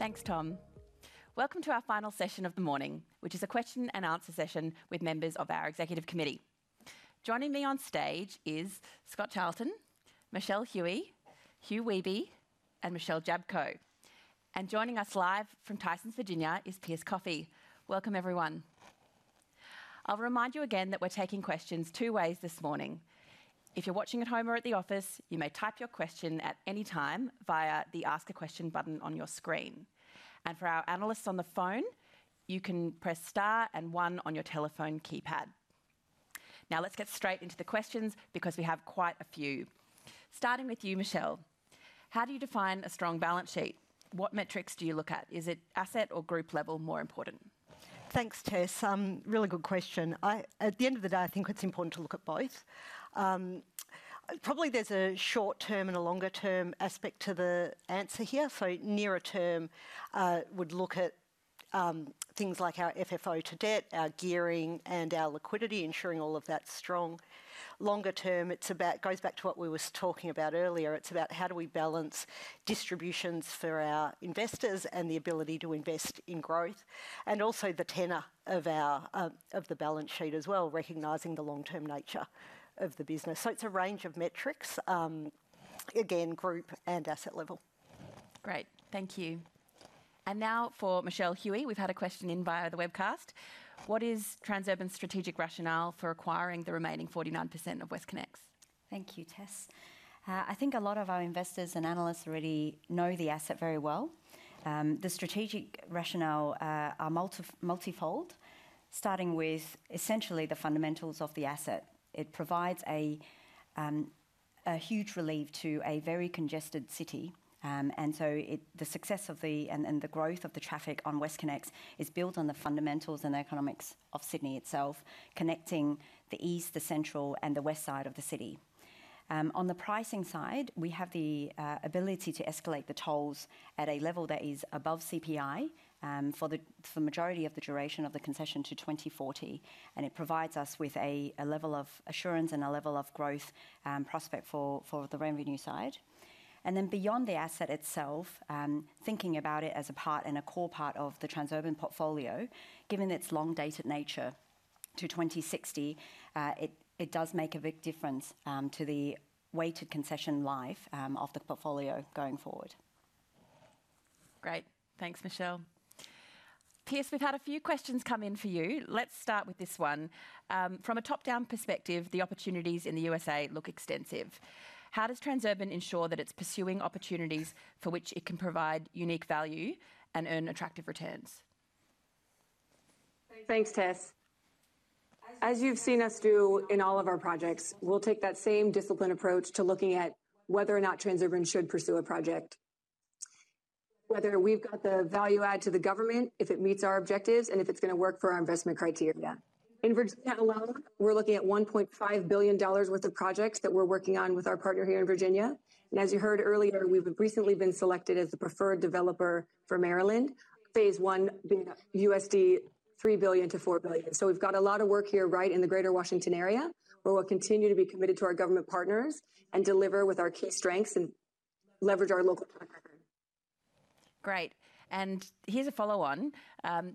Thanks, Tom. Welcome to our final session of the morning, which is a question and answer session with members of our Executive Committee. Joining me on stage is Scott Charlton, Michele Huey, Hugh Wehby, and Michelle Jablko. Joining us live from Tysons, Virginia, is Pierce Coffee. Welcome, everyone. I'll remind you again that we're taking questions two ways this morning. If you're watching at home or at the office, you may type your question at any time via the Ask a Question button on your screen. For our analysts on the phone, you can press star and one on your telephone keypad. Let's get straight into the questions because we have quite a few. Starting with you, Michelle. How do you define a strong balance sheet? What metrics do you look at? Is it asset or group level more important? Thanks, Tess. Really good question. At the end of the day, I think it's important to look at both. Probably there's a short-term and a longer-term aspect to the answer here. Nearer term, would look at things like our FFO to debt, our gearing, and our liquidity, ensuring all of that's strong. Longer term, it goes back to what we were talking about earlier. It's about how do we balance distributions for our investors and the ability to invest in growth, and also the tenor of the balance sheet as well, recognizing the long-term nature of the business. It's a range of metrics, again, group and asset level. Great. Thank you. Now for Michele Huey, we've had a question in via the webcast. What is Transurban's strategic rationale for acquiring the remaining 49% of WestConnex? Thank you, Tess. I think a lot of our investors and analysts already know the asset very well. The strategic rationale are multifold, starting with essentially the fundamentals of the asset. It provides a huge relief to a very congested city. The success of the growth of the traffic on WestConnex is built on the fundamentals and economics of Sydney itself, connecting the east, the central, and the west side of the city. On the pricing side, we have the ability to escalate the tolls at a level that is above CPI for the majority of the duration of the concession to 2040. It provides us with a level of assurance and a level of growth prospect for the revenue side. Beyond the asset itself, thinking about it as a part and a core part of the Transurban portfolio, given its long-dated nature to 2060, it does make a big difference to the weighted concession life of the portfolio going forward. Great. Thanks, Michelle. Pierce, we've had a few questions come in for you. Let's start with this one. From a top-down perspective, the opportunities in the USA look extensive. How does Transurban ensure that it's pursuing opportunities for which it can provide unique value and earn attractive returns? Thanks, Tess. As you've seen us do in all of our projects, we'll take that same disciplined approach to looking at whether or not Transurban should pursue a project. Whether we've got the value add to the government, if it meets our objectives, and if it's going to work for our investment criteria. In Virginia alone, we're looking at 1.5 billion dollars worth of projects that we're working on with our partner here in Virginia. As you heard earlier, we've recently been selected as the preferred developer for Maryland, phase one being $3 billion-$4 billion. We've got a lot of work here right in the Greater Washington area, where we'll continue to be committed to our government partners and deliver with our key strengths and leverage our local Great. Here's a follow-on.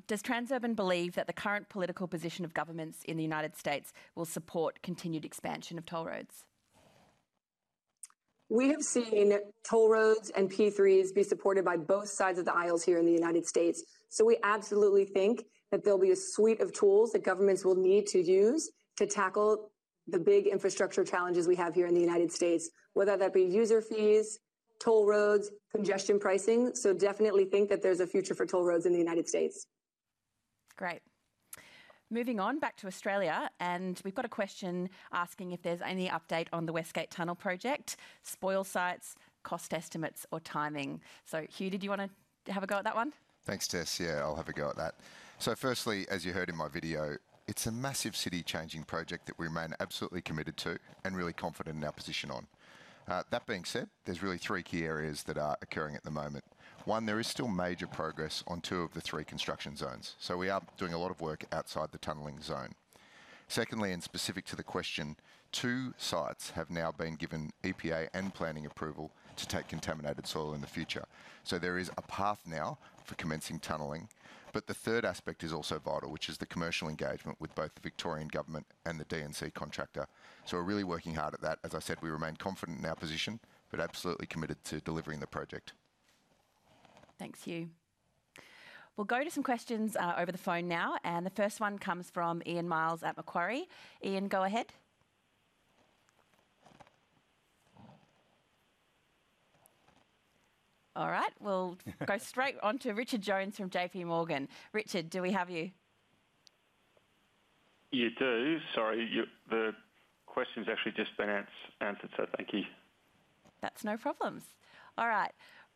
Does Transurban believe that the current political position of governments in the United States will support continued expansion of toll roads? We have seen toll roads and P3s be supported by both sides of the aisles here in the U.S. We absolutely think that there'll be a suite of tools that governments will need to use to tackle the big infrastructure challenges we have here in the U.S., whether that be user fees, toll roads, congestion pricing. Definitely think that there's a future for toll roads in the U.S. Great. Moving on back to Australia, We've got a question asking if there's any update on the West Gate Tunnel project, spoil sites, cost estimates, or timing. Hugh, did you want to have a go at that one? Thanks, Tess. Yeah, I'll have a go at that. Firstly, as you heard in my video, it's a massive city-changing project that we remain absolutely committed to and really confident in our position on. That being said, there's really three key areas that are occurring at the moment. One, there is still major progress on two of the three construction zones. We are doing a lot of work outside the tunneling zone. Secondly, and specific to the question, two sites have now been given EPA and planning approval to take contaminated soil in the future. There is a path now for commencing tunneling. The third aspect is also vital, which is the commercial engagement with both the Victorian Government and the D&C contractor. We're really working hard at that. As I said, we remain confident in our position, but absolutely committed to delivering the project. Thanks, Hugh. We'll go to some questions over the phone now. The first one comes from Ian Myles at Macquarie. Ian, go ahead. All right. We'll go straight on to Richard Jones from JPMorgan. Richard, do we have you? You do. Sorry. The question's actually just been answered, so thank you. That's no problems. All right.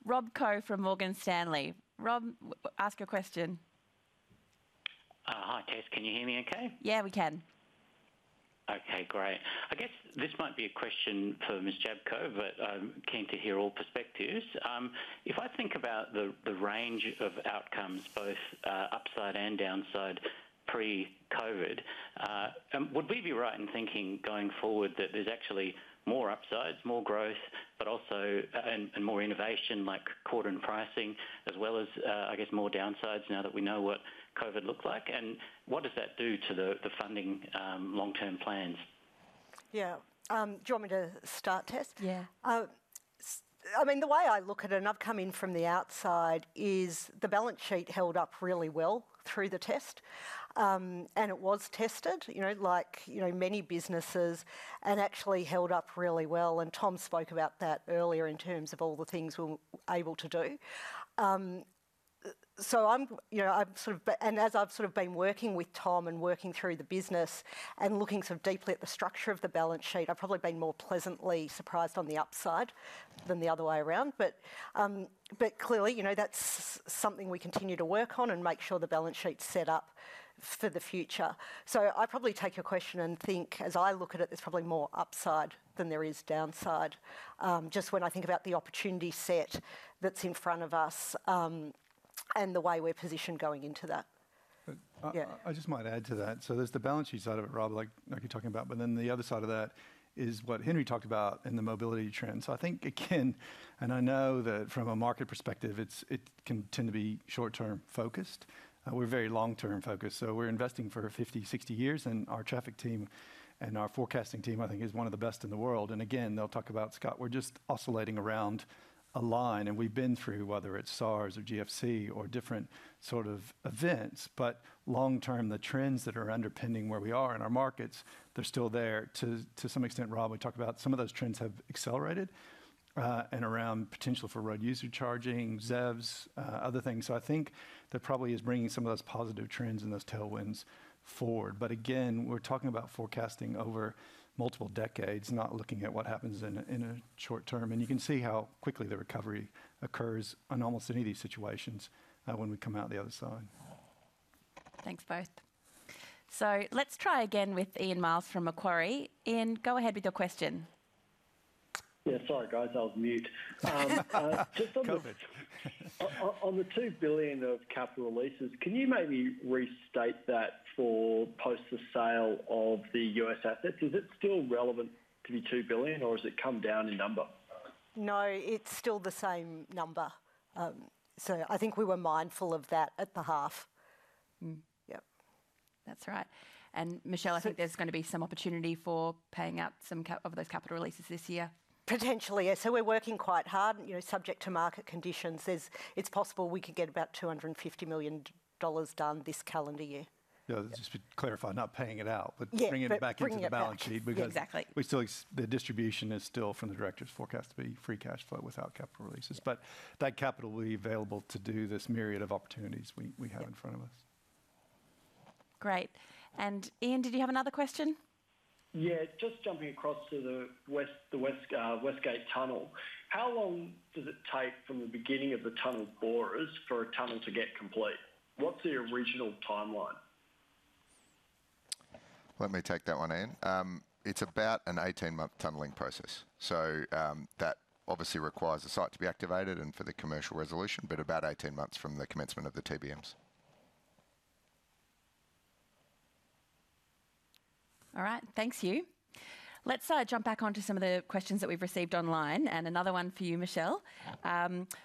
Rob Koh from Morgan Stanley. Rob, ask your question. Hi, Tess, can you hear me okay? Yeah, we can. Okay, great. I guess this might be a question for Ms. Jablko, but I'm keen to hear all perspectives. If I think about the range of outcomes, both upside and downside pre-COVID, would we be right in thinking going forward that there's actually more upsides, more growth, and more innovation like cordon pricing as well as more downsides now that we know what COVID looked like, and what does that do to the funding long-term plans? Yeah. Do you want me to start, Tess? Yeah. The way I look at it, and I've come in from the outside, is the balance sheet held up really well through the test. It was tested, like many businesses, and actually held up really well, and Tom spoke about that earlier in terms of all the things we were able to do. As I've been working with Tom and working through the business and looking deeply at the structure of the balance sheet, I've probably been more pleasantly surprised on the upside than the other way around. Clearly, that's something we continue to work on and make sure the balance sheet's set up for the future. I probably take your question and think as I look at it, there's probably more upside than there is downside. Just when I think about the opportunity set that's in front of us and the way we're positioned going into that. I just might add to that. There's the balance sheet side of it, Rob, like you're talking about, but then the other side of that is what Henry talked about in the mobility trend. I think, again, and I know that from a market perspective, it can tend to be short-term focused. We're very long-term focused. We're investing for 50, 60 years, and our traffic team and our forecasting team, I think, is one of the best in the world. Again, they'll talk about scale. We're just oscillating around a line, and we've been through, whether it's SARS or GFC or different sort of events. Long term, the trends that are underpinning where we are in our markets, they're still there. To some extent, Rob, we talked about some of those trends have accelerated and around potential for road user charging, ZEVs, other things. I think that probably is bringing some of those positive trends and those tailwinds forward. Again, we're talking about forecasting over multiple decades, not looking at what happens in a short term. You can see how quickly the recovery occurs on almost any of these situations when we come out the other side. Thanks, both. Let's try again with Ian Myles from Macquarie. Ian, go ahead with your question. Sorry guys, I was mute. COVID. On the 2 billion of capital leases, can you maybe restate that for post the sale of the U.S. assets? Is it still relevant to be 2 billion or has it come down in number? No, it's still the same number. I think we were mindful of that at the half. Yep, that's right. Michelle, I think there's going to be some opportunity for paying out some of those capital releases this year. Potentially, yeah. We're working quite hard. Subject to market conditions, it's possible we could get about 250 million dollars done this calendar year. Yeah. Just to clarify, not paying it out- Yeah Bringing it back into the balance sheet. Bringing it back. Yeah, exactly. The distribution is still from the directors forecast to be free cash flow without capital releases. That capital will be available to do this myriad of opportunities we have in front of us. Great. Ian, did you have another question? Yeah, just jumping across to the West Gate Tunnel. How long does it take from the beginning of the tunnel borers for a tunnel to get complete? What's the original timeline? Let me take that one, Ian. It's about an 18-month tunneling process. That obviously requires the site to be activated and for the commercial resolution, but about 18 months from the commencement of the TBMs. All right. Thanks, Hugh. Let's jump back onto some of the questions that we've received online, and another one for you, Michelle.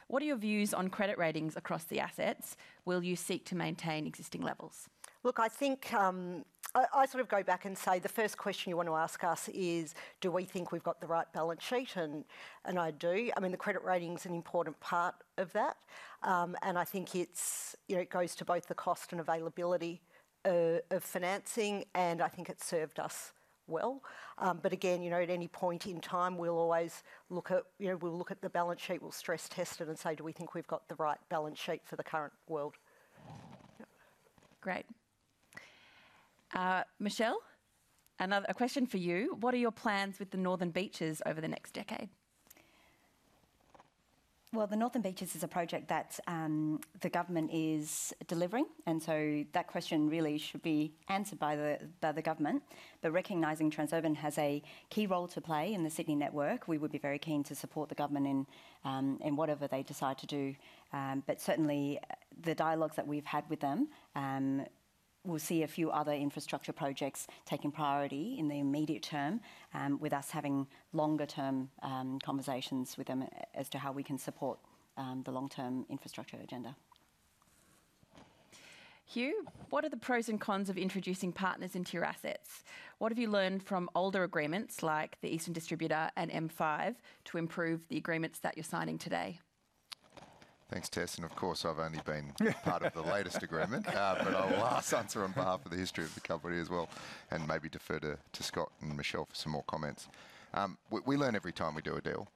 What are your views on credit ratings across the assets? Will you seek to maintain existing levels? Look, I think I go back and say the first question you want to ask us is, do we think we've got the right balance sheet? I do. The credit rating's an important part of that. I think it goes to both the cost and availability of financing, and I think it's served us well. Again, at any point in time, we'll look at the balance sheet, we'll stress test it and say, do we think we've got the right balance sheet for the current world? Yep. Great. Michelle, a question for you. What are your plans with the Northern Beaches over the next decade? The Northern Beaches is a project that the government is delivering, that question really should be answered by the government. Recognizing Transurban has a key role to play in the Sydney network, we would be very keen to support the government in whatever they decide to do. Certainly, the dialogues that we've had with them will see a few other infrastructure projects taking priority in the immediate term, with us having longer-term conversations with them as to how we can support the long-term infrastructure agenda. Hugh, what are the pros and cons of introducing partners into your assets? What have you learned from older agreements like the Eastern Distributor and M5 to improve the agreements that you are signing today? Thanks, Tess. Of course, I've only been part of the latest agreement. I'll answer on behalf of the history of the company as well, and maybe defer to Scott and Michelle for some more comments. We learn every time we do a deal.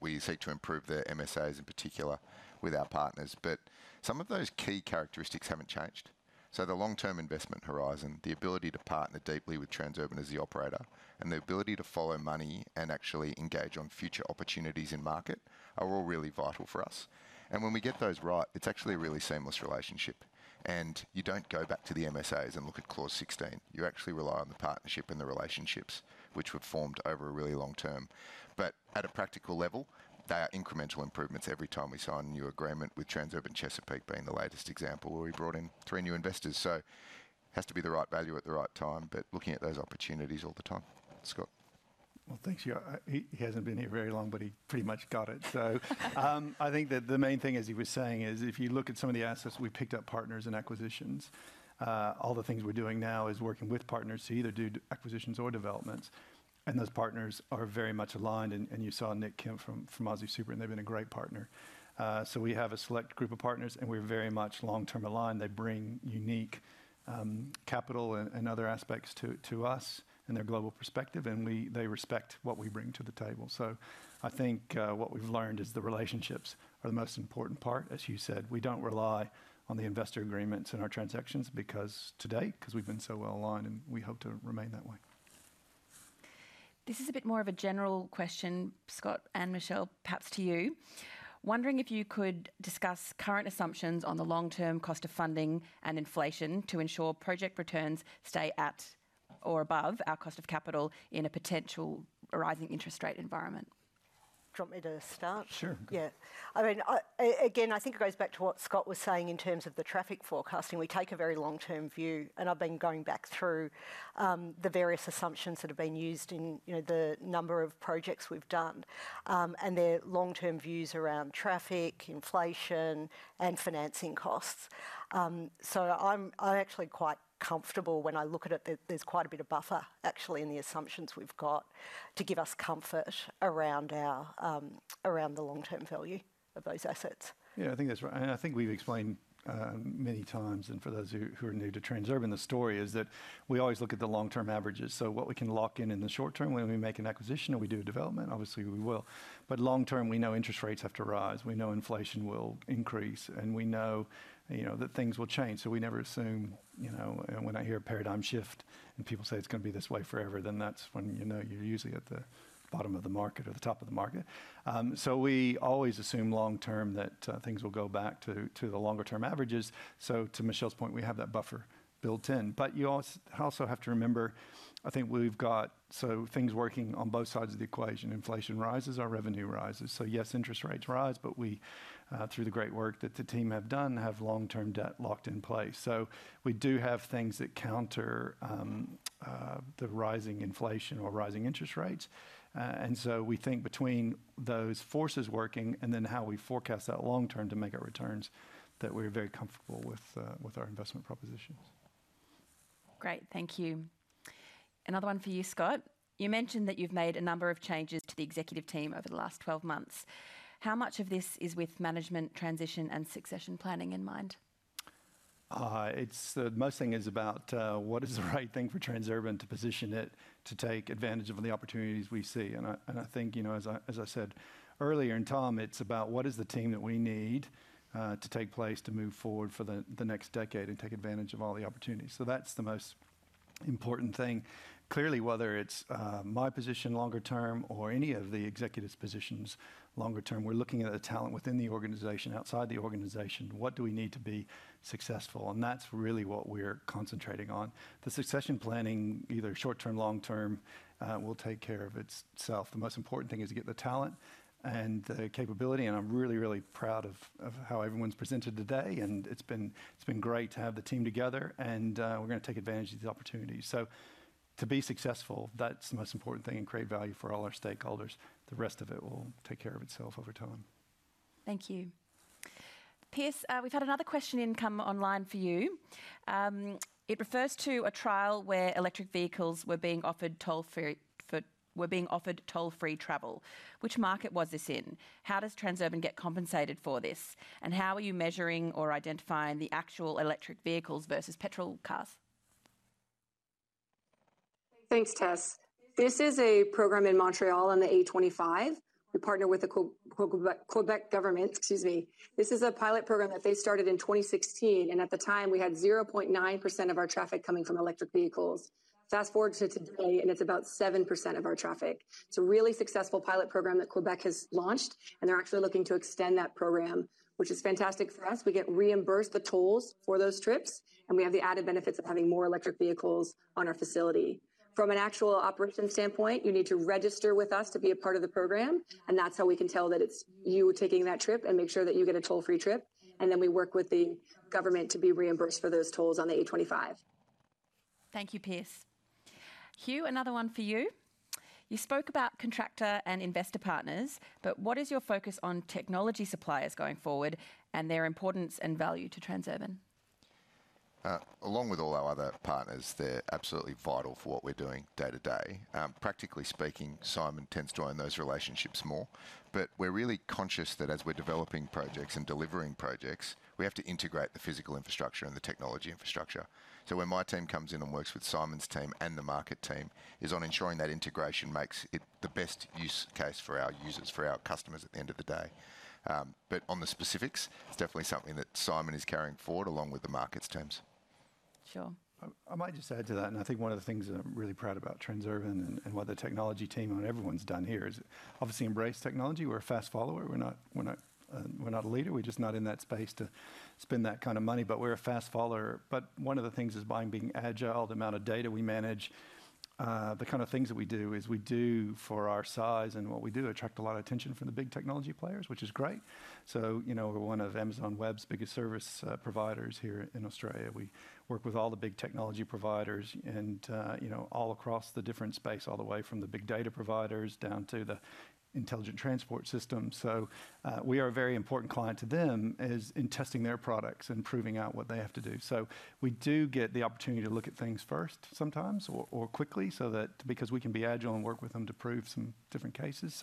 We seek to improve the MSAs, in particular, with our partners. Some of those key characteristics haven't changed. The long-term investment horizon, the ability to partner deeply with Transurban as the operator, the ability to follow money and actually engage on future opportunities in market are all really vital for us. When we get those right, it's actually a really seamless relationship. You don't go back to the MSAs and look at clause 16. You actually rely on the partnership and the relationships which were formed over a really long term. At a practical level, they are incremental improvements every time we sign a new agreement with Transurban Chesapeake being the latest example, where we brought in three new investors. It has to be the right value at the right time, but looking at those opportunities all the time. Scott. Well, thanks. He hasn't been here very long, but he pretty much got it. I think that the main thing, as he was saying, is if you look at some of the assets we picked up partners and acquisitions. All the things we're doing now is working with partners to either do acquisitions or developments, and those partners are very much aligned. You saw Nik Kemp from AustralianSuper, and they've been a great partner. We have a select group of partners, and we're very much long-term aligned. They bring unique capital and other aspects to us and their global perspective, and they respect what we bring to the table. I think what we've learned is the relationships are the most important part, as Hugh said. We don't rely on the investor agreements in our transactions because to date, because we've been so well aligned, and we hope to remain that way. This is a bit more of a general question, Scott and Michelle, perhaps to you. Wondering if you could discuss current assumptions on the long-term cost of funding and inflation to ensure project returns stay at or above our cost of capital in a potential rising interest rate environment? Do you want me to start? Sure. Again, I think it goes back to what Scott was saying in terms of the traffic forecasting. We take a very long-term view, and I've been going back through the various assumptions that have been used in the number of projects we've done. They're long-term views around traffic, inflation, and financing costs. I'm actually quite comfortable when I look at it, that there's quite a bit of buffer actually in the assumptions we've got to give us comfort around the long-term value of those assets. I think that's right. I think we've explained many times, and for those who are new to Transurban, the story is that we always look at the long-term averages. What we can lock in in the short term when we make an acquisition or we do a development, obviously we will. Long term, we know interest rates have to rise. We know inflation will increase, and we know that things will change. We never assume. When I hear a paradigm shift and people say it's going to be this way forever, then that's when you know you're usually at the bottom of the market or the top of the market. We always assume long term that things will go back to the longer-term averages. To Michelle's point, we have that buffer built in. You also have to remember, I think we've got things working on both sides of the equation. Inflation rises, our revenue rises. Yes, interest rates rise, but we, through the great work that the team have done, have long-term debt locked in place. We do have things that counter the rising inflation or rising interest rates. We think between those forces working and then how we forecast that long term to make our returns, that we're very comfortable with our investment propositions. Great. Thank you. Another one for you, Scott. You mentioned that you've made a number of changes to the executive team over the last 12 months. How much of this is with management transition and succession planning in mind? Most thing is about what is the right thing for Transurban to position it to take advantage of the opportunities we see. I think as I said earlier, Tom, it's about what is the team that we need to take place to move forward for the next decade and take advantage of all the opportunities. That's the most important thing. Clearly, whether it's my position longer term or any of the executives' positions longer term, we're looking at the talent within the organization, outside the organization. What do we need to be successful? That's really what we're concentrating on. The succession planning, either short term, long term, will take care of itself. The most important thing is to get the talent and the capability, I'm really, really proud of how everyone's presented today. It's been great to have the team together, and we're going to take advantage of the opportunities. To be successful, that's the most important thing, and create value for all our stakeholders. The rest of it will take care of itself over time. Thank you. Pierce, we've had another question come online for you. It refers to a trial where electric vehicles were being offered toll free travel. Which market was this in? How does Transurban get compensated for this? How are you measuring or identifying the actual electric vehicles versus petrol cars? Thanks, Tess. This is a program in Montreal on the A25. We partner with the Quebec government. Excuse me. This is a pilot program that they started in 2016, and at the time, we had 0.9% of our traffic coming from electric vehicles. Fast-forward to today, and it's about 7% of our traffic. It's a really successful pilot program that Quebec has launched, and they're actually looking to extend that program, which is fantastic for us. We get reimbursed the tolls for those trips, and we have the added benefits of having more electric vehicles on our facility. From an actual operations standpoint, you need to register with us to be a part of the program, and that's how we can tell that it's you taking that trip and make sure that you get a toll-free trip. We work with the government to be reimbursed for those tolls on the A25. Thank you, Pierce. Hugh, another one for you. What is your focus on technology suppliers going forward and their importance and value to Transurban? Along with all our other partners, they're absolutely vital for what we're doing day to day. Practically speaking, Simon tends to own those relationships more. We're really conscious that as we're developing projects and delivering projects, we have to integrate the physical infrastructure and the technology infrastructure. Where my team comes in and works with Simon's team and the market team is on ensuring that integration makes it the best use case for our users, for our customers at the end of the day. On the specifics, it's definitely something that Simon is carrying forward along with the markets teams. Sure. I might just add to that. I think one of the things that I'm really proud about Transurban and what the technology team and everyone's done here is obviously embrace technology. We're a fast follower. We're not a leader. We're just not in that space to spend that kind of money. We're a fast follower. One of the things is by being agile, the amount of data we manage, the kind of things that we do is we do for our size and what we do attract a lot of attention from the big technology players, which is great. We're one of Amazon Web's biggest service providers here in Australia. We work with all the big technology providers and all across the different space, all the way from the big data providers down to the intelligent transport system. We are a very important client to them in testing their products and proving out what they have to do. We do get the opportunity to look at things first sometimes or quickly so that because we can be agile and work with them to prove some different cases.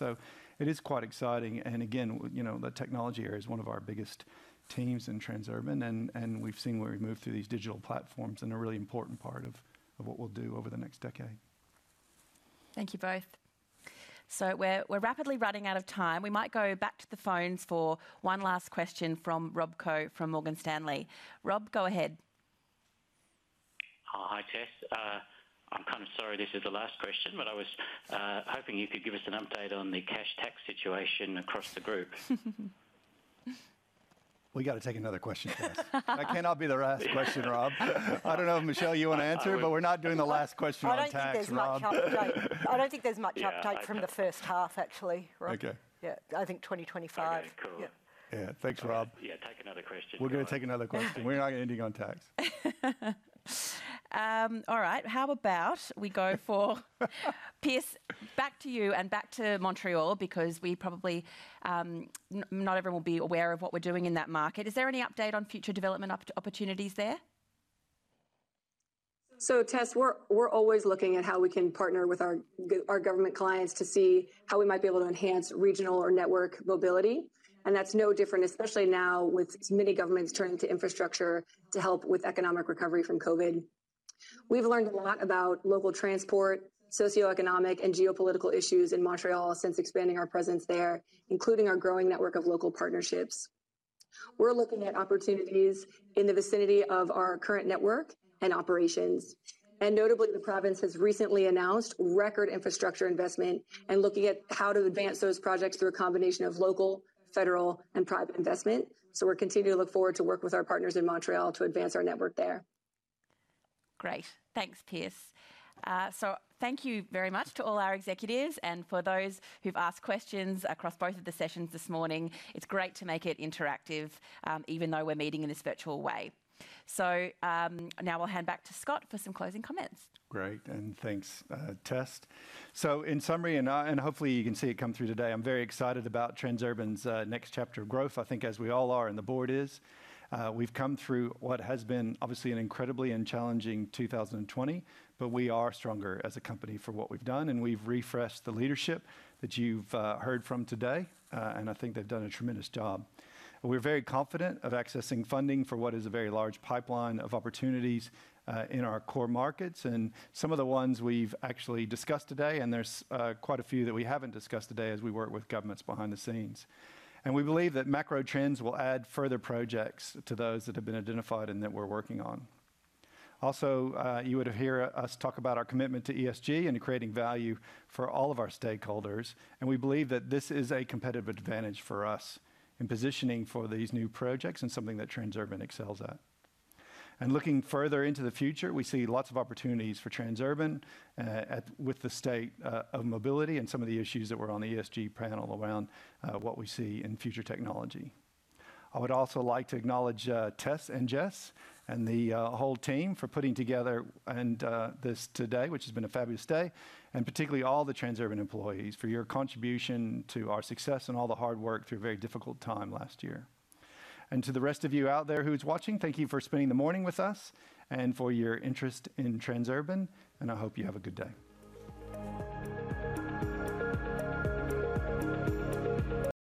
It is quite exciting. Again, the technology area is one of our biggest teams in Transurban, and we've seen where we've moved through these digital platforms and a really important part of what we'll do over the next decade. Thank you both. We're rapidly running out of time. We might go back to the phones for one last question from Rob Koh from Morgan Stanley. Rob, go ahead. Hi, Tess. I'm kind of sorry this is the last question. I was hoping you could give us an update on the cash tax situation across the group. We got to take another question, Tess. That cannot be the last question, Rob. I don't know, Michelle, you want to answer? We're not doing the last question on tax, Rob. I don't think there's much update from the first half, actually, Rob. Okay. Yeah. I think 2025. Okay, cool. Yeah. Thanks, Rob. Yeah, take another question. We're going to take another question. We're not ending on tax. All right. How about we go for Pierce, back to you and back to Montreal, because not everyone will be aware of what we're doing in that market. Is there any update on future development opportunities there? Tess, we're always looking at how we can partner with our government clients to see how we might be able to enhance regional or network mobility, and that's no different, especially now with many governments turning to infrastructure to help with economic recovery from COVID. We've learned a lot about local transport, socioeconomic, and geopolitical issues in Montreal since expanding our presence there, including our growing network of local partnerships. We're looking at opportunities in the vicinity of our current network and operations. Notably, the province has recently announced record infrastructure investment and looking at how to advance those projects through a combination of local, federal, and private investment. We're continuing to look forward to work with our partners in Montreal to advance our network there. Great. Thanks, Pierce. Thank you very much to all our executives and for those who've asked questions across both of the sessions this morning. It's great to make it interactive even though we're meeting in this virtual way. Now I'll hand back to Scott for some closing comments. Great, thanks, Tess. In summary, hopefully you can see it come through today, I'm very excited about Transurban's next chapter of growth. I think as we all are, the board is. We've come through what has been obviously an incredibly challenging 2020. We are stronger as a company for what we've done, we've refreshed the leadership that you've heard from today. I think they've done a tremendous job. We're very confident of accessing funding for what is a very large pipeline of opportunities in our core markets and some of the ones we've actually discussed today. There's quite a few that we haven't discussed today as we work with governments behind the scenes. We believe that macro trends will add further projects to those that have been identified and that we're working on. You would hear us talk about our commitment to ESG and creating value for all of our stakeholders. We believe that this is a competitive advantage for us in positioning for these new projects and something that Transurban excels at. Looking further into the future, we see lots of opportunities for Transurban with the state of mobility and some of the issues that were on the ESG panel around what we see in future technology. I would also like to acknowledge Tess and Jess and the whole team for putting together this today, which has been a fabulous day, and particularly all the Transurban employees for your contribution to our success and all the hard work through a very difficult time last year. To the rest of you out there who's watching, thank you for spending the morning with us and for your interest in Transurban, and I hope you have a good day.